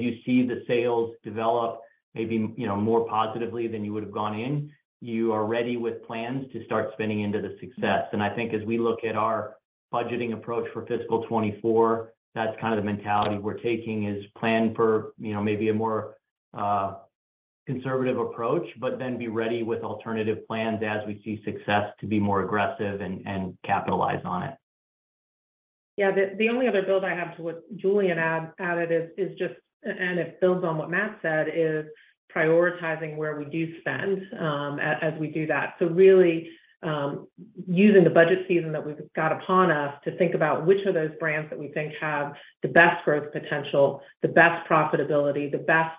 Speaker 5: you see the sales develop, maybe, you know, more positively than you would have gone in, you are ready with plans to start spending into the success. I think as we look at our budgeting approach for fiscal 2024, that's kind of the mentality we're taking is plan for, you know, maybe a more conservative approach, but then be ready with alternative plans as we see success to be more aggressive and capitalize on it.
Speaker 4: Yeah. The only other build I have to what Julien added is just, and it builds on what Matt said, is prioritizing where we do spend as we do that. Really, using the budget season that we've got upon us to think about which of those brands that we think have the best growth potential, the best profitability, the best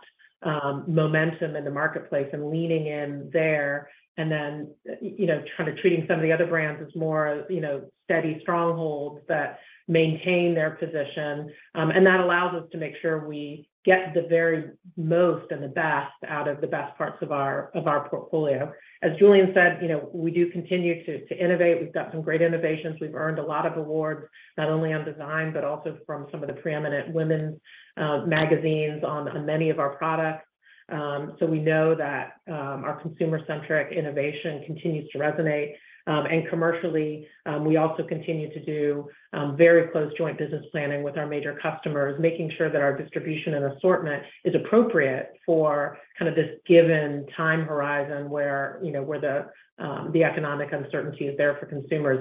Speaker 4: momentum in the marketplace, and leaning in there, and then, you know, kind of treating some of the other brands as more, you know, steady strongholds that maintain their position. That allows us to make sure we get the very most and the best out of the best parts of our portfolio. As Julien said, you know, we do continue to innovate. We've got some great innovations. We've earned a lot of awards, not only on design, but also from some of the preeminent women's magazines on many of our products. We know that our consumer-centric innovation continues to resonate. Commercially, we also continue to do very close joint business planning with our major customers, making sure that our distribution and assortment is appropriate for kind of this given time horizon where, you know, where the economic uncertainty is there for consumers.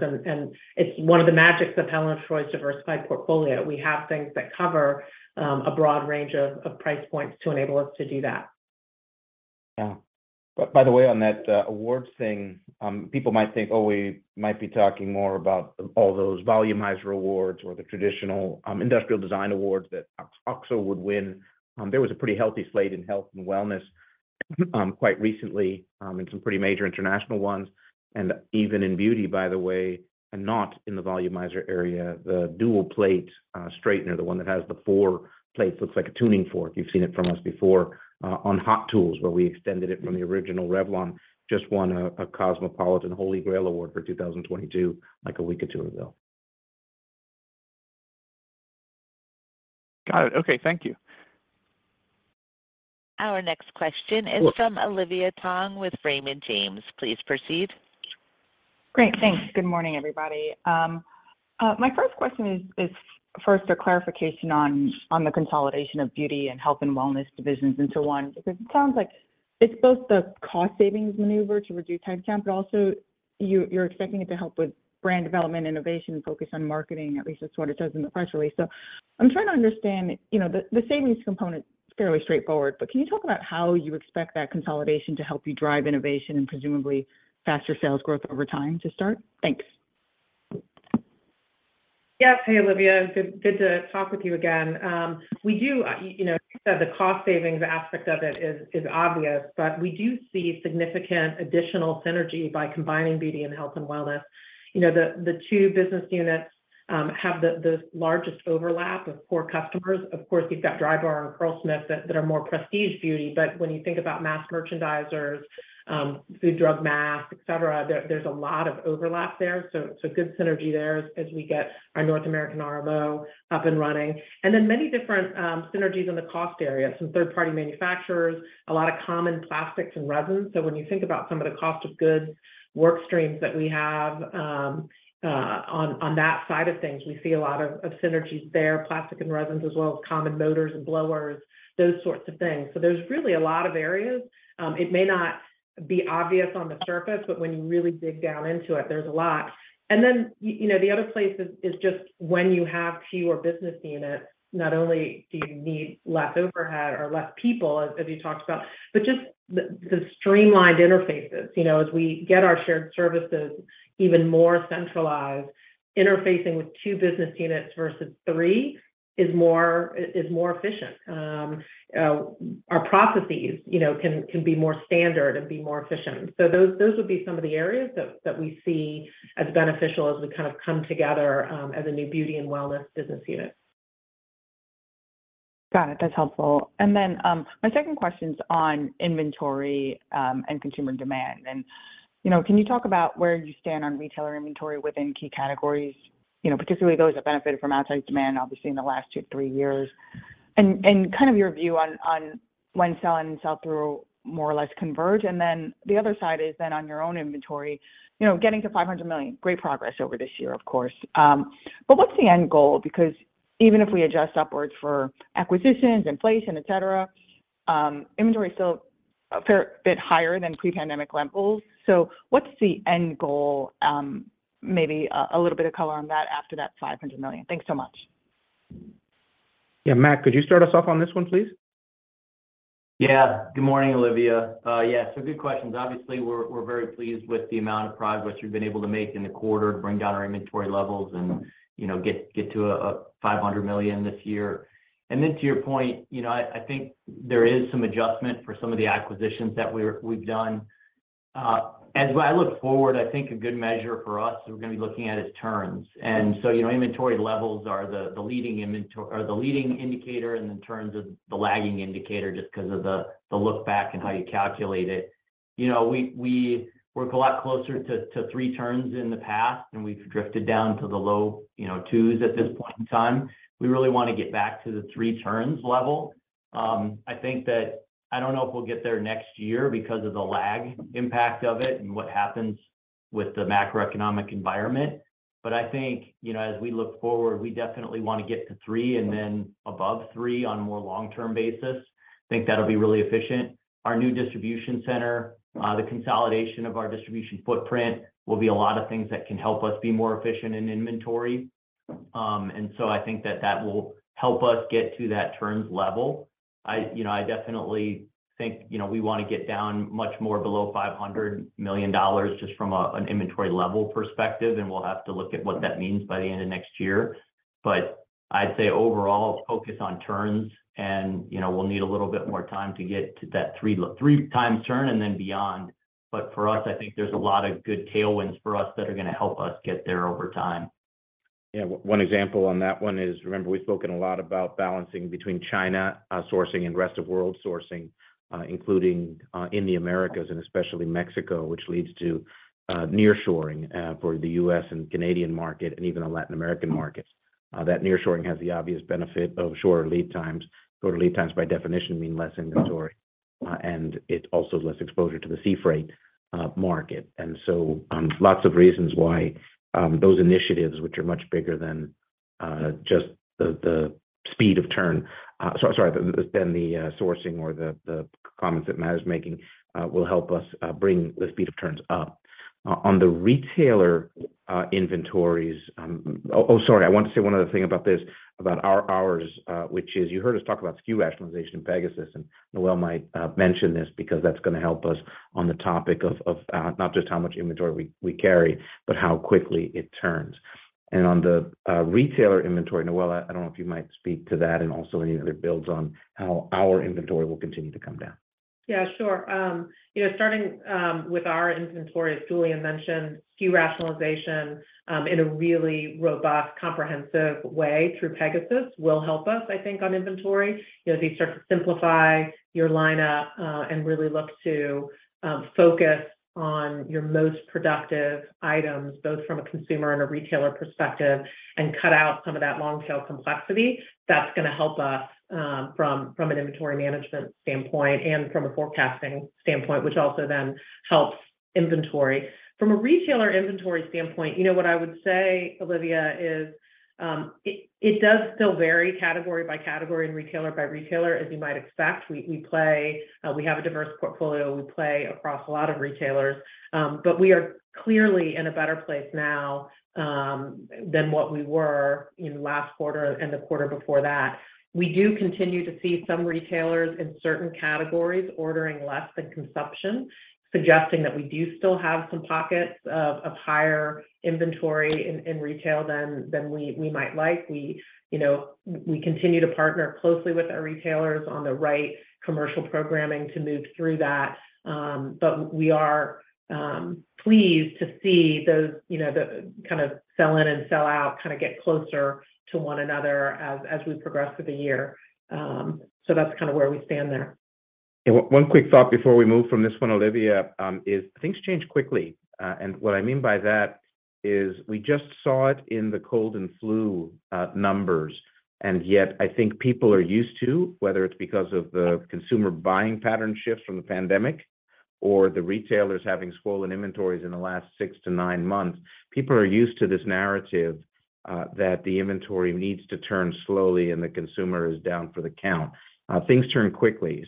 Speaker 4: It's one of the magics of Helen of Troy's diversified portfolio. We have things that cover a broad range of price points to enable us to do that.
Speaker 3: Yeah. By the way, on that awards thing, people might think, oh, we might be talking more about all those volumizer awards or the traditional industrial design awards that OXO would win. There was a pretty healthy slate in health and wellness quite recently, and some pretty major international ones. And even in beauty, by the way, and not in the volumizer area, the dual plate straightener, the one that has the four plates, looks like a tuning fork. You've seen it from us before, on Hot Tools, where we extended it from the original Revlon, just won a Cosmopolitan Holy Grail Award for 2022, like a week or two ago.
Speaker 7: Got it. Okay. Thank you.
Speaker 3: Our next question is from Olivia Tong with Raymond James. Please proceed.
Speaker 8: Great. Thanks. Good morning, everybody. My first question is first a clarification on the consolidation of beauty and health and wellness divisions into one, because it sounds like it's both the cost savings maneuver to reduce head count, but also you're expecting it to help with brand development, innovation, focus on marketing, at least that's what it does in the press release. I'm trying to understand, you know, the savings component is fairly straightforward, but can you talk about how you expect that consolidation to help you drive innovation and presumably faster sales growth over time to start. Thanks.
Speaker 4: Yes. Hey, Olivia. Good to talk with you again. We do, you know, the cost savings aspect of it is obvious, but we do see significant additional synergy by combining beauty and health and wellness. You know, the two business units have the largest overlap of core customers. Of course, you've got Drybar and Curlsmith that are more prestige beauty. But when you think about mass merchandisers, food, drug, mass, et cetera, there's a lot of overlap there. Good synergy there as we get our North American RMO up and running. Many different synergies in the cost area. Some third-party manufacturers, a lot of common plastics and resins. When you think about some of the cost of goods work streams that we have, on that side of things, we see a lot of synergies there, plastic and resins, as well as common motors and blowers, those sorts of things. There's really a lot of areas. It may not be obvious on the surface, but when you really dig down into it, there's a lot. You know, the other place is just when you have fewer business units, not only do you need less overhead or less people, as you talked about, but just the streamlined interfaces. You know, as we get our shared services even more centralized, interfacing with two business units versus three is more efficient. Our processes, you know, can be more standard and be more efficient. Those would be some of the areas that we see as beneficial as we kind of come together as a new Beauty & Wellness business unit.
Speaker 8: Got it. That's helpful. My second question's on inventory and consumer demand. You know, can you talk about where you stand on retailer inventory within key categories, you know, particularly those that benefited from outside demand, obviously in the last two, three years, and kind of your view on when sell and sell through more or less converge. The other side is then on your own inventory, you know, getting to $500 million, great progress over this year, of course. What's the end goal? Because even if we adjust upwards for acquisitions, inflation, et cetera, inventory is still a fair bit higher than pre-pandemic levels. What's the end goal? Maybe a little bit of color on that after that $500 million. Thanks so much.
Speaker 3: Yeah. Matt, could you start us off on this one, please?
Speaker 5: Good morning, Olivia. Good questions. Obviously, we're very pleased with the amount of progress we've been able to make in the quarter to bring down our inventory levels and, you know, get to $500 million this year. To your point, you know, I think there is some adjustment for some of the acquisitions that we've done. As I look forward, I think a good measure for us we're gonna be looking at is turns. You know, inventory levels are the leading indicator, and then turns is the lagging indicator just 'cause of the look back and how you calculate it. You know, we work a lot closer to three turns in the past, and we've drifted down to the low, you know, two at this point in time. We really wanna get back to the 3 turns level. I don't know if we'll get there next year because of the lag impact of it and what happens with the macroeconomic environment. I think, you know, as we look forward, we definitely wanna get to three and then above three on a more long-term basis. I think that'll be really efficient. Our new distribution center, the consolidation of our distribution footprint will be a lot of things that can help us be more efficient in inventory. I think that that will help us get to that turns level. I, you know, I definitely think, you know, we wanna get down much more below $500 million just from an inventory level perspective. We'll have to look at what that means by the end of next year. I'd say overall, focus on turns and, you know, we'll need a little bit more time to get to that 3 times turn and then beyond. For us, I think there's a lot of good tailwinds for us that are gonna help us get there over time.
Speaker 3: One example on that one is, remember, we've spoken a lot about balancing between China sourcing and rest of world sourcing, including in the Americas and especially Mexico, which leads to nearshoring for the U.S. and Canadian market and even the Latin American markets. That nearshoring has the obvious benefit of shorter lead times. Shorter lead times by definition mean less inventory, and it also less exposure to the sea freight market. Lots of reasons why those initiatives, which are much bigger than just the speed of turn. So sorry, than the sourcing or the comments that Matt is making, will help us bring the speed of turns up. On the retailer inventories. Sorry, I want to say one other thing about this, about our ours, which is you heard us talk about SKU rationalization in Pegasus, and Noel might mention this because that's gonna help us on the topic of not just how much inventory we carry, but how quickly it turns. On the retailer inventory, Noel, I don't know if you might speak to that and also any other builds on how our inventory will continue to come down.
Speaker 4: Yeah, sure. you know, starting with our inventory, as Julien mentioned, SKU rationalization, in a really robust, comprehensive way through Pegasus will help us, I think, on inventory. You know, as you start to simplify your line up, and really look to focus on your most productive items, both from a consumer and a retailer perspective, and cut out some of that long tail complexity, that's gonna help us from an inventory management standpoint and from a forecasting standpoint, which also then helps Inventory. From a retailer inventory standpoint, you know what I would say, Olivia, is, it does still vary category by category and retailer by retailer, as you might expect. We have a diverse portfolio. We play across a lot of retailers. We are clearly in a better place now than what we were in last quarter and the quarter before that. We do continue to see some retailers in certain categories ordering less than consumption, suggesting that we do still have some pockets of higher inventory in retail than we might like. We, you know, we continue to partner closely with our retailers on the right commercial programming to move through that. We are pleased to see those, you know, the kind of sell-in and sell out kind of get closer to one another as we progress through the year. That's kind of where we stand there.
Speaker 3: One quick thought before we move from this one, Olivia, is things change quickly. What I mean by that is we just saw it in the cold and flu numbers. Yet I think people are used to, whether it's because of the consumer buying pattern shift from the pandemic or the retailers having swollen inventories in the last six to nine months, people are used to this narrative, that the inventory needs to turn slowly and the consumer is down for the count. Things turn quickly.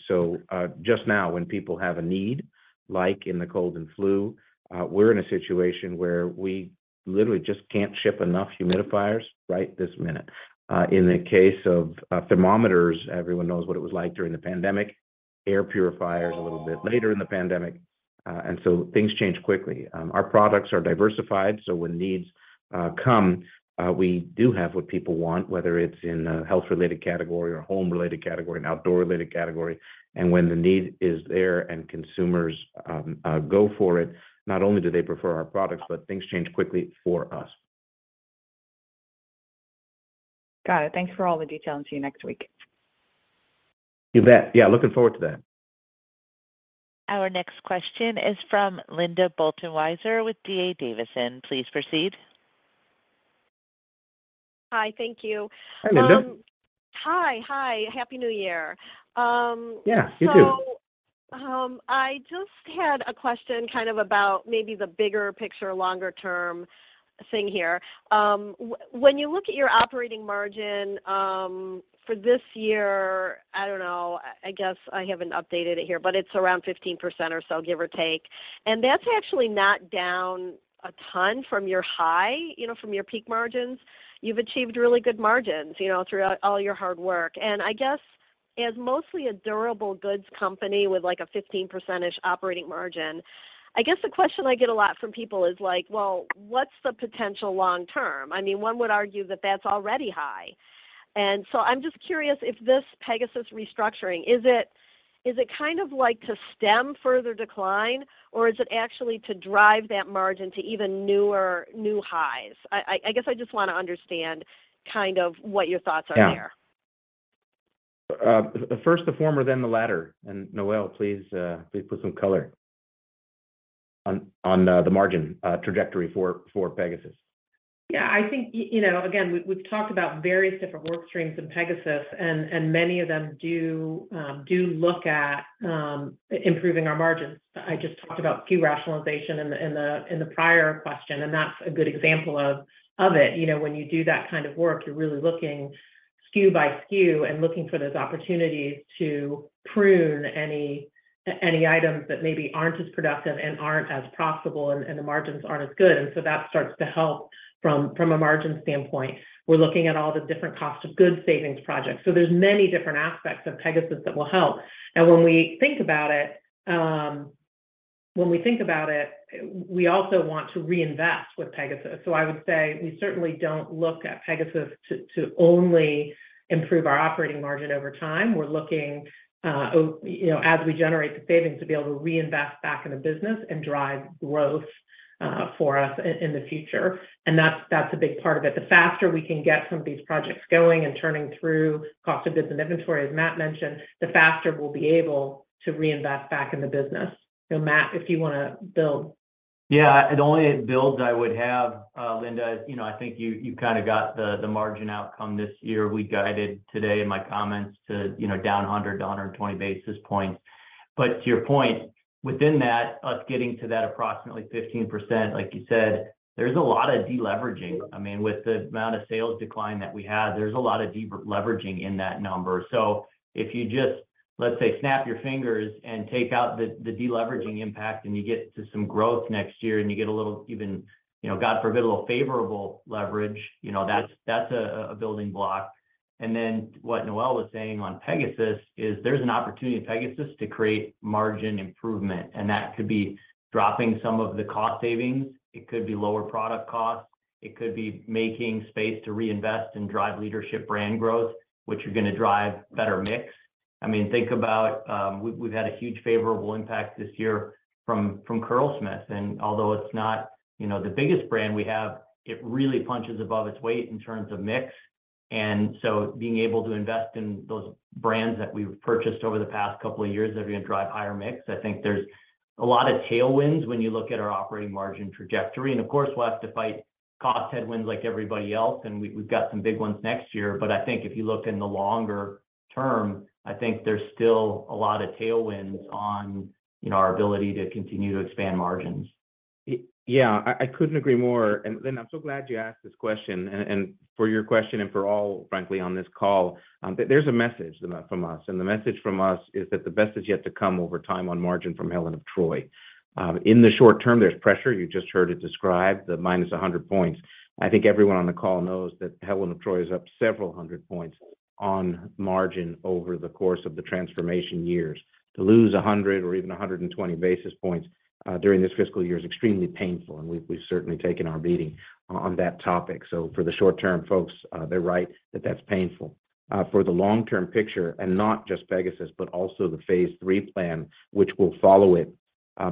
Speaker 3: Just now, when people have a need, like in the cold and flu, we're in a situation where we literally just can't ship enough humidifiers right this minute. In the case of thermometers, everyone knows what it was like during the pandemic, air purifiers a little bit later in the pandemic. Things change quickly. Our products are diversified, so when needs come, we do have what people want, whether it's in a health-related category or home-related category, an outdoor-related category. When the need is there and consumers go for it, not only do they prefer our products, but things change quickly for us.
Speaker 8: Got it. Thanks for all the detail. See you next week.
Speaker 3: You bet. Looking forward to that.
Speaker 1: Our next question is from Linda Bolton-Weiser with D.A. Davidson. Please proceed.
Speaker 9: Hi. Thank you.
Speaker 3: Hi, Linda.
Speaker 9: Hi. Hi. Happy New Year.
Speaker 3: Yeah, you too.
Speaker 9: I just had a question kind of about maybe the bigger picture, longer term thing here. When you look at your operating margin for this year, I don't know, I guess I haven't updated it here, but it's around 15% or so, give or take. That's actually not down a ton from your high, you know, from your peak margins. You've achieved really good margins, you know, through all your hard work. I guess as mostly a durable goods company with, like, a 15%-ish operating margin, I guess the question I get a lot from people is, like, well, what's the potential long term? I mean, one would argue that that's already high. I'm just curious if this Pegasus restructuring, is it kind of like to stem further decline, or is it actually to drive that margin to even newer, new highs? I guess I just want to understand kind of what your thoughts are there.
Speaker 3: Yeah. First the former, then the latter. Noel, please put some color on, the margin, trajectory for Pegasus.
Speaker 4: Yeah, I think, you know, again, we've talked about various different work streams in Pegasus, and many of them do look at improving our margins. I just talked about SKU rationalization in the prior question, and that's a good example of it. You know, when you do that kind of work, you're really looking SKU by SKU and looking for those opportunities to prune any items that maybe aren't as productive and aren't as profitable and the margins aren't as good. That starts to help from a margin standpoint. We're looking at all the different cost of goods savings projects. There's many different aspects of Pegasus that will help. When we think about it, we also want to reinvest with Pegasus. I would say we certainly don't look at Pegasus to only improve our operating margin over time. We're looking, you know, as we generate the savings to be able to reinvest back in the business and drive growth for us in the future. That's a big part of it. The faster we can get some of these projects going and turning through cost of business inventory, as Matt mentioned, the faster we'll be able to reinvest back in the business. Matt, if you wanna build.
Speaker 5: Yeah. The only build I would have, Linda, you know, I think you kind of got the margin outcome this year. We guided today in my comments to, you know, down 100-120 basis points. To your point, within that, us getting to that approximately 15%, like you said, there's a lot of deleveraging. I mean, with the amount of sales decline that we had, there's a lot of deleveraging in that number. If you just, let's say, snap your fingers and take out the deleveraging impact, and you get to some growth next year, and you get a little even, you know, God forbid, a little favorable leverage, you know, that's a building block. What Noel was saying on Pegasus is there's an opportunity at Pegasus to create margin improvement, and that could be dropping some of the cost savings. It could be lower product costs. It could be making space to reinvest and drive leadership brand growth, which are gonna drive better mix. I mean, think about, we've had a huge favorable impact this year from Curlsmith. Although it's not, you know, the biggest brand we have, it really punches above its weight in terms of mix. Being able to invest in those brands that we've purchased over the past couple of years are gonna drive higher mix. I think there's a lot of tailwinds when you look at our operating margin trajectory. Of course, we'll have to fight cost headwinds like everybody else, and we've got some big ones next year. I think if you look in the longer term, I think there's still a lot of tailwinds on, you know, our ability to continue to expand margins.
Speaker 3: Yeah, I couldn't agree more. Linda, I'm so glad you asked this question. For your question and for all frankly on this call, there's a message from us, and the message from us is that the best is yet to come over time on margin from Helen of Troy. In the short term, there's pressure. You just heard it described, the minus 100 points. I think everyone on the call knows that Helen of Troy is up several hundred points on margin over the course of the transformation years. To lose 100 or even 120 basis points during this fiscal year is extremely painful, and we've certainly taken our beating on that topic. For the short-term folks, they're right that that's painful. For the long-term picture, not just Pegasus, but also the phase III plan which will follow it,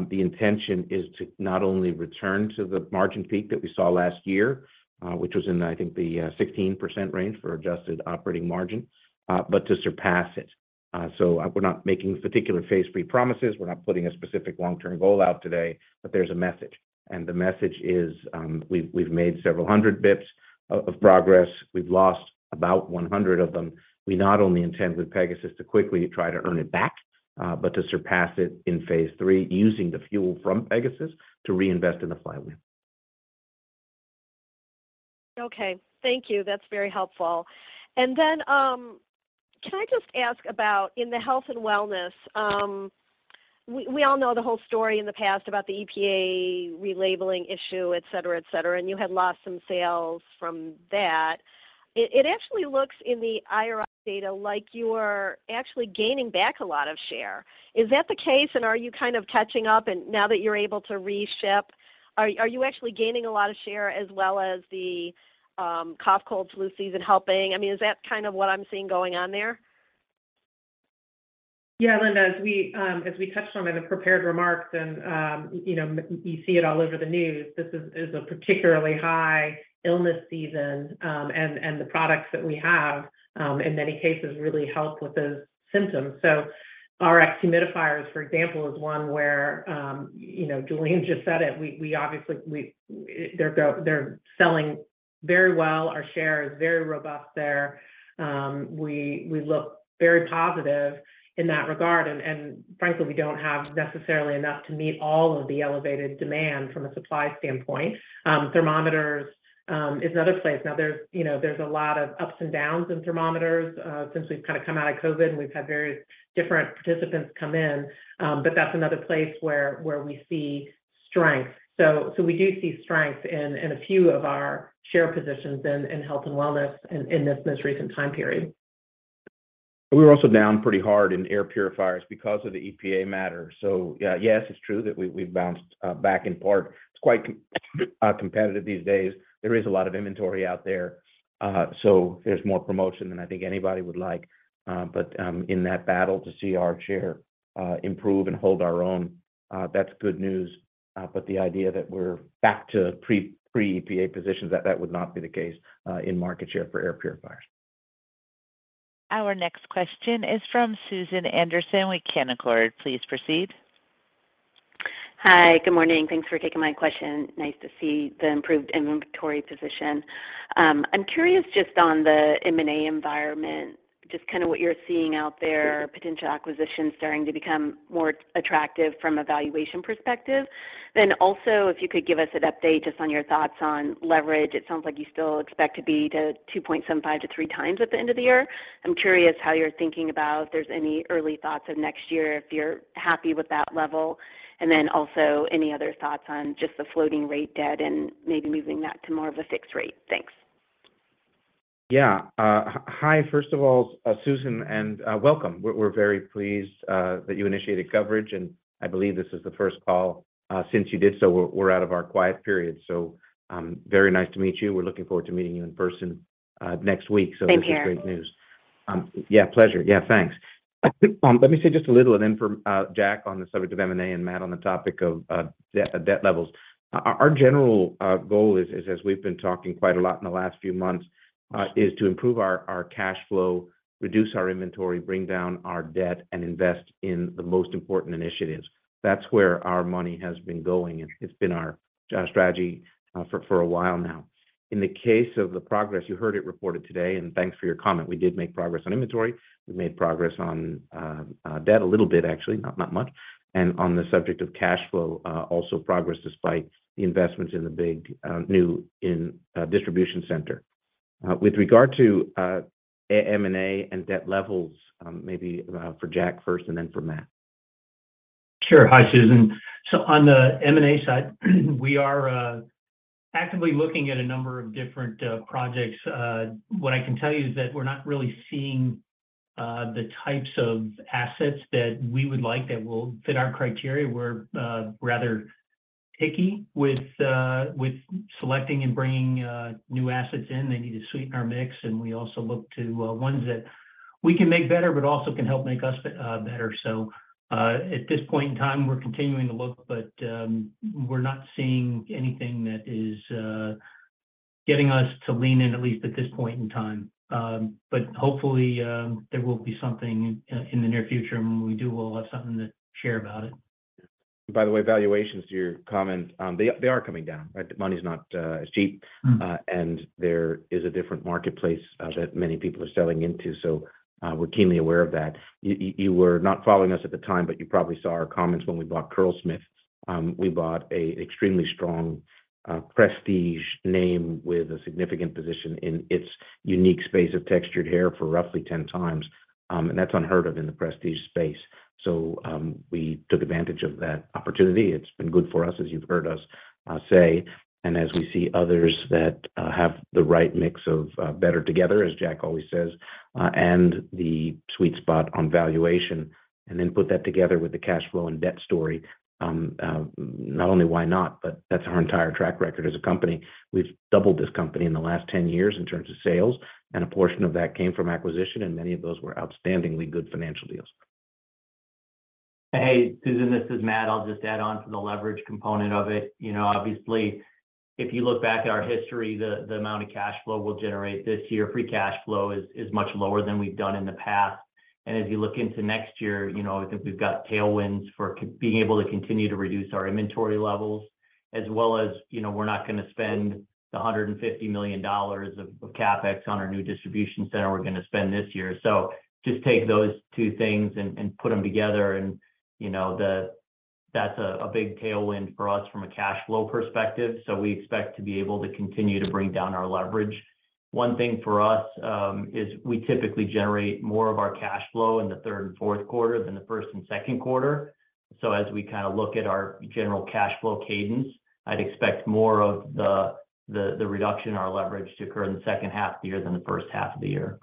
Speaker 3: the intention is to not only return to the margin peak that we saw last year, which was in, I think, the 16% range for adjusted operating margin, but to surpass it. We're not making particular phase III promises. We're not putting a specific long-term goal out today, but there's a message, and the message is, we've made several hundred basis points of progress. We've lost about 100 of them. We not only intend with Pegasus to quickly try to earn it back, but to surpass it in phase three using the fuel from Pegasus to reinvest in the flywheel.
Speaker 9: Okay. Thank you. That's very helpful. Can I just ask about in the health and wellness, we all know the whole story in the past about the EPA relabeling issue, et cetera, et cetera, and you had lost some sales from that. It actually looks in the IRI data like you're actually gaining back a lot of share. Is that the case, and are you kind of catching up and now that you're able to reship, are you actually gaining a lot of share as well as the cough, cold, flu season helping? I mean, is that kind of what I'm seeing going on there?
Speaker 4: Yeah, Linda, as we, as we touched on in the prepared remarks and, you know, you see it all over the news, this is a particularly high illness season. The products that we have, in many cases really help with those symptoms. Vicks humidifiers, for example, is one where, you know, Julien just said it, we obviously they're selling very well. Our share is very robust there. We look very positive in that regard, and frankly, we don't have necessarily enough to meet all of the elevated demand from a supply standpoint. Thermometers is another place. There's, you know, there's a lot of ups and downs in thermometers, since we've kind of come out of COVID, and we've had various different participants come in, but that's another place where we see strength. We do see strength in a few of our share positions in health and wellness in this recent time period.
Speaker 3: We were also down pretty hard in air purifiers because of the EPA matter. Yes, it's true that we've bounced back in part. It's quite competitive these days. There is a lot of inventory out there. There's more promotion than I think anybody would like. But in that battle to see our share improve and hold our own, that's good news. But the idea that we're back to pre EPA positions, that would not be the case in market share for air purifiers.
Speaker 1: Our next question is from Susan Anderson with Canaccord. Please proceed.
Speaker 10: Hi. Good morning. Thanks for taking my question. Nice to see the improved inventory position. I'm curious just on the M&A environment, just kinda what you're seeing out there, potential acquisitions starting to become more attractive from a valuation perspective. Also, if you could give us an update just on your thoughts on leverage. It sounds like you still expect to be to 2.75x-3x at the end of the year. I'm curious how you're thinking about if there's any early thoughts of next year, if you're happy with that level. Also any other thoughts on just the floating rate debt and maybe moving that to more of a fixed rate. Thanks.
Speaker 3: Hi, first of all, Susan, welcome. We're very pleased that you initiated coverage, and I believe this is the first call since you did, so we're out of our quiet period. Very nice to meet you. We're looking forward to meeting you in person, next week.
Speaker 10: Same here.
Speaker 3: This is great news. Yeah, pleasure. Yeah, thanks. I think, let me say just a little and then for Jack on the subject of M&A and Matt on the topic of debt levels. Our general goal is as we've been talking quite a lot in the last few months, is to improve our cash flow, reduce our inventory, bring down our debt, and invest in the most important initiatives. That's where our money has been going, and it's been our strategy for a while now. In the case of the progress, you heard it reported today, and thanks for your comment. We did make progress on inventory. We made progress on debt, a little bit actually, not much. On the subject of cash flow, also progress despite the investments in the big, new distribution center. With regard to M&A and debt levels, maybe for Jack first and then for Matt.
Speaker 2: Sure. Hi, Susan. On the M&A side, we are actively looking at a number of different projects. What I can tell you is that we're not really seeing the types of assets that we would like that will fit our criteria. We're rather picky with selecting and bringing new assets in. They need to sweeten our mix, and we also look to ones that we can make better but also can help make us better. At this point in time, we're continuing to look, but we're not seeing anything that is getting us to lean in, at least at this point in time. Hopefully, there will be something in the near future, and when we do, we'll have something to share about it.
Speaker 3: By the way, valuations to your comment, they are coming down, right? The money's not as cheap.
Speaker 2: Mm.
Speaker 3: There is a different marketplace that many people are selling into. We're keenly aware of that. You were not following us at the time, but you probably saw our comments when we bought Curlsmith. We bought a extremely strong prestige name with a significant position in its unique space of textured hair for roughly 10x, and that's unheard of in the prestige space. We took advantage of that opportunity. It's been good for us, as you've heard us say. As we see others that have the right mix of better together, as Jack always says, and the sweet spot on valuation, and then put that together with the cash flow and debt story, not only why not, but that's our entire track record as a company. We've doubled this company in the last 10 years in terms of sales. A portion of that came from acquisition. Many of those were outstandingly good financial deals.
Speaker 5: Hey, Susan, this is Matt. I'll just add on to the leverage component of it. You know, obviously, if you look back at our history, the amount of cash flow we'll generate this year, free cash flow is much lower than we've done in the past. If you look into next year, you know, I think we've got tailwinds for being able to continue to reduce our inventory levels, as well as, you know, we're not gonna spend $150 million of CapEx on our new distribution center we're gonna spend this year. Just take those two things and put them together and, you know, that's a big tailwind for us from a cash flow perspective. We expect to be able to continue to bring down our leverage. One thing for us, is we typically generate more of our cash flow in the Q3 and Q4 than the first and Q2. As we kinda look at our general cash flow cadence, I'd expect more of the reduction in our leverage to occur in the H2 of the year than the H1 of the year.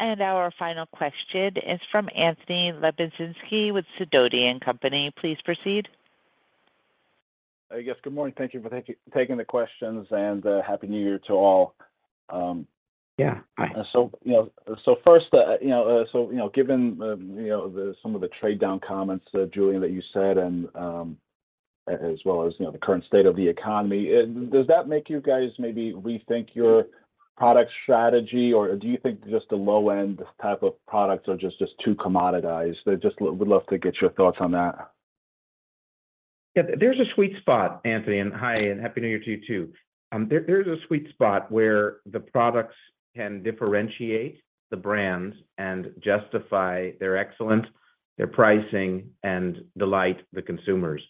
Speaker 1: Our final question is from Anthony Lebiedzinski with Sidoti & Company. Please proceed.
Speaker 11: Yes, good morning. Thank you for taking the questions. Happy New Year to all.
Speaker 3: Yeah. Hi
Speaker 11: You know, first, you know, given, you know, the, some of the trade down comments that Julien, that you said, and, as well as, you know, the current state of the economy, does that make you guys maybe rethink your product strategy, or do you think just the low-end type of products are just too commoditized? Would love to get your thoughts on that.
Speaker 3: Yeah. There's a sweet spot, Anthony, and hi, and happy New Year to you too. There's a sweet spot where the products can differentiate the brands and justify their excellence, their pricing, and delight the consumers.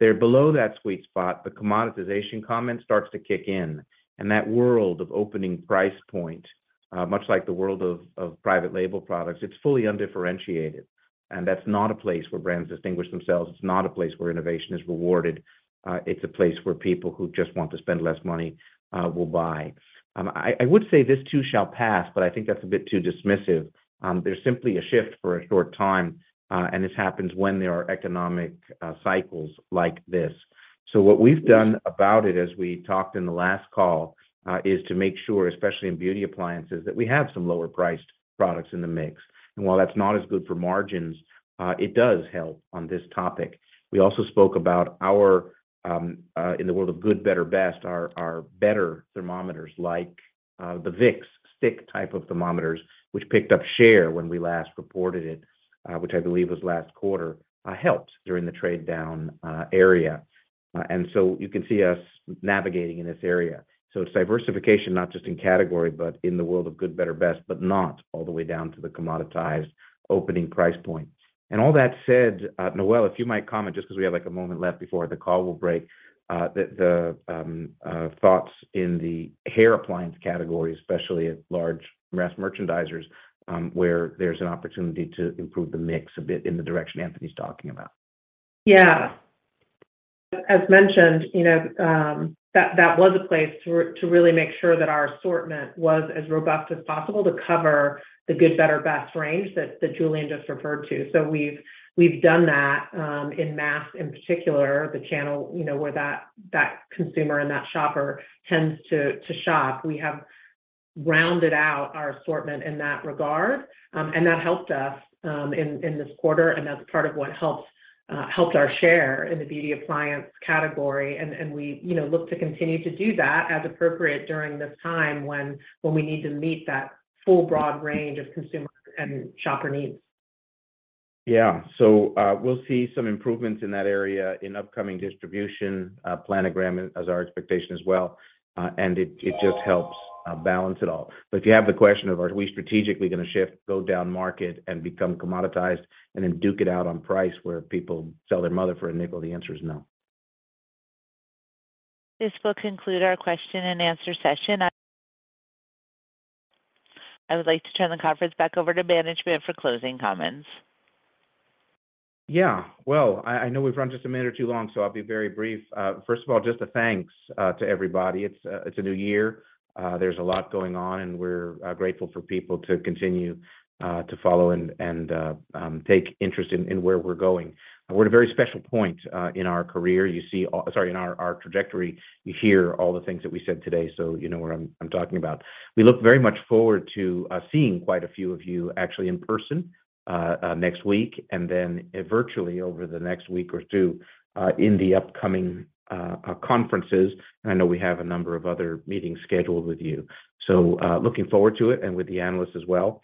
Speaker 3: They're below that sweet spot, the commoditization comment starts to kick in, and that world of opening price point, much like the world of private label products, it's fully undifferentiated, and that's not a place where brands distinguish themselves. It's not a place where innovation is rewarded. It's a place where people who just want to spend less money will buy. I would say this too shall pass, but I think that's a bit too dismissive. There's simply a shift for a short time, and this happens when there are economic cycles like this. What we've done about it, as we talked in the last call, is to make sure, especially in beauty appliances, that we have some lower priced products in the mix. While that's not as good for margins, it does help on this topic. We also spoke about our in the world of good, better, best, our better thermometers like the Vicks stick type of thermometers, which picked up share when we last reported it, which I believe was last quarter, helped during the trade down area. You can see us navigating in this area. It's diversification not just in category, but in the world of good, better, best, but not all the way down to the commoditized opening price point. All that said, Noel, if you might comment, just 'cause we have, like, a moment left before the call will break, the thoughts in the hair appliance category, especially at large mass merchandisers, where there's an opportunity to improve the mix a bit in the direction Anthony's talking about.
Speaker 4: As mentioned, you know, that was a place to really make sure that our assortment was as robust as possible to cover the good, better, best range that Julien just referred to. We've done that in mass in particular, the channel, you know, where that consumer and that shopper tends to shop. We have rounded out our assortment in that regard, and that helped us in this quarter, and that's part of what helped our share in the beauty appliance category. We, you know, look to continue to do that as appropriate during this time when we need to meet that full broad range of consumer and shopper needs.
Speaker 3: Yeah. We'll see some improvements in that area in upcoming distribution, planogram as our expectation as well. It just helps balance it all. If you have the question of, are we strategically gonna shift, go down market, and become commoditized and then duke it out on price where people sell their mother for a nickel, the answer is no.
Speaker 1: This will conclude our question and answer session. I would like to turn the conference back over to management for closing comments.
Speaker 3: Yeah. Well, I know we've run just a minute or two long, I'll be very brief. First of all, just a thanks to everybody. It's a new year. There's a lot going on. We're grateful for people to continue to follow and take interest in where we're going. We're at a very special point in our career. You see Sorry, in our trajectory. You hear all the things that we said today, so you know what I'm talking about. We look very much forward to seeing quite a few of you actually in person next week, then virtually over the next week or two in the upcoming conferences. I know we have a number of other meetings scheduled with you. Looking forward to it and with the analysts as well.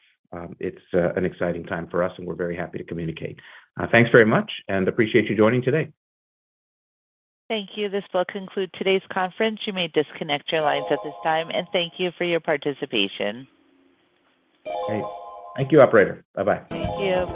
Speaker 3: It's an exciting time for us, and we're very happy to communicate. Thanks very much and appreciate you joining today.
Speaker 1: Thank you. This will conclude today's conference. You may disconnect your lines at this time, and thank you for your participation.
Speaker 3: Great. Thank you, operator. Bye-bye.
Speaker 1: Thank you.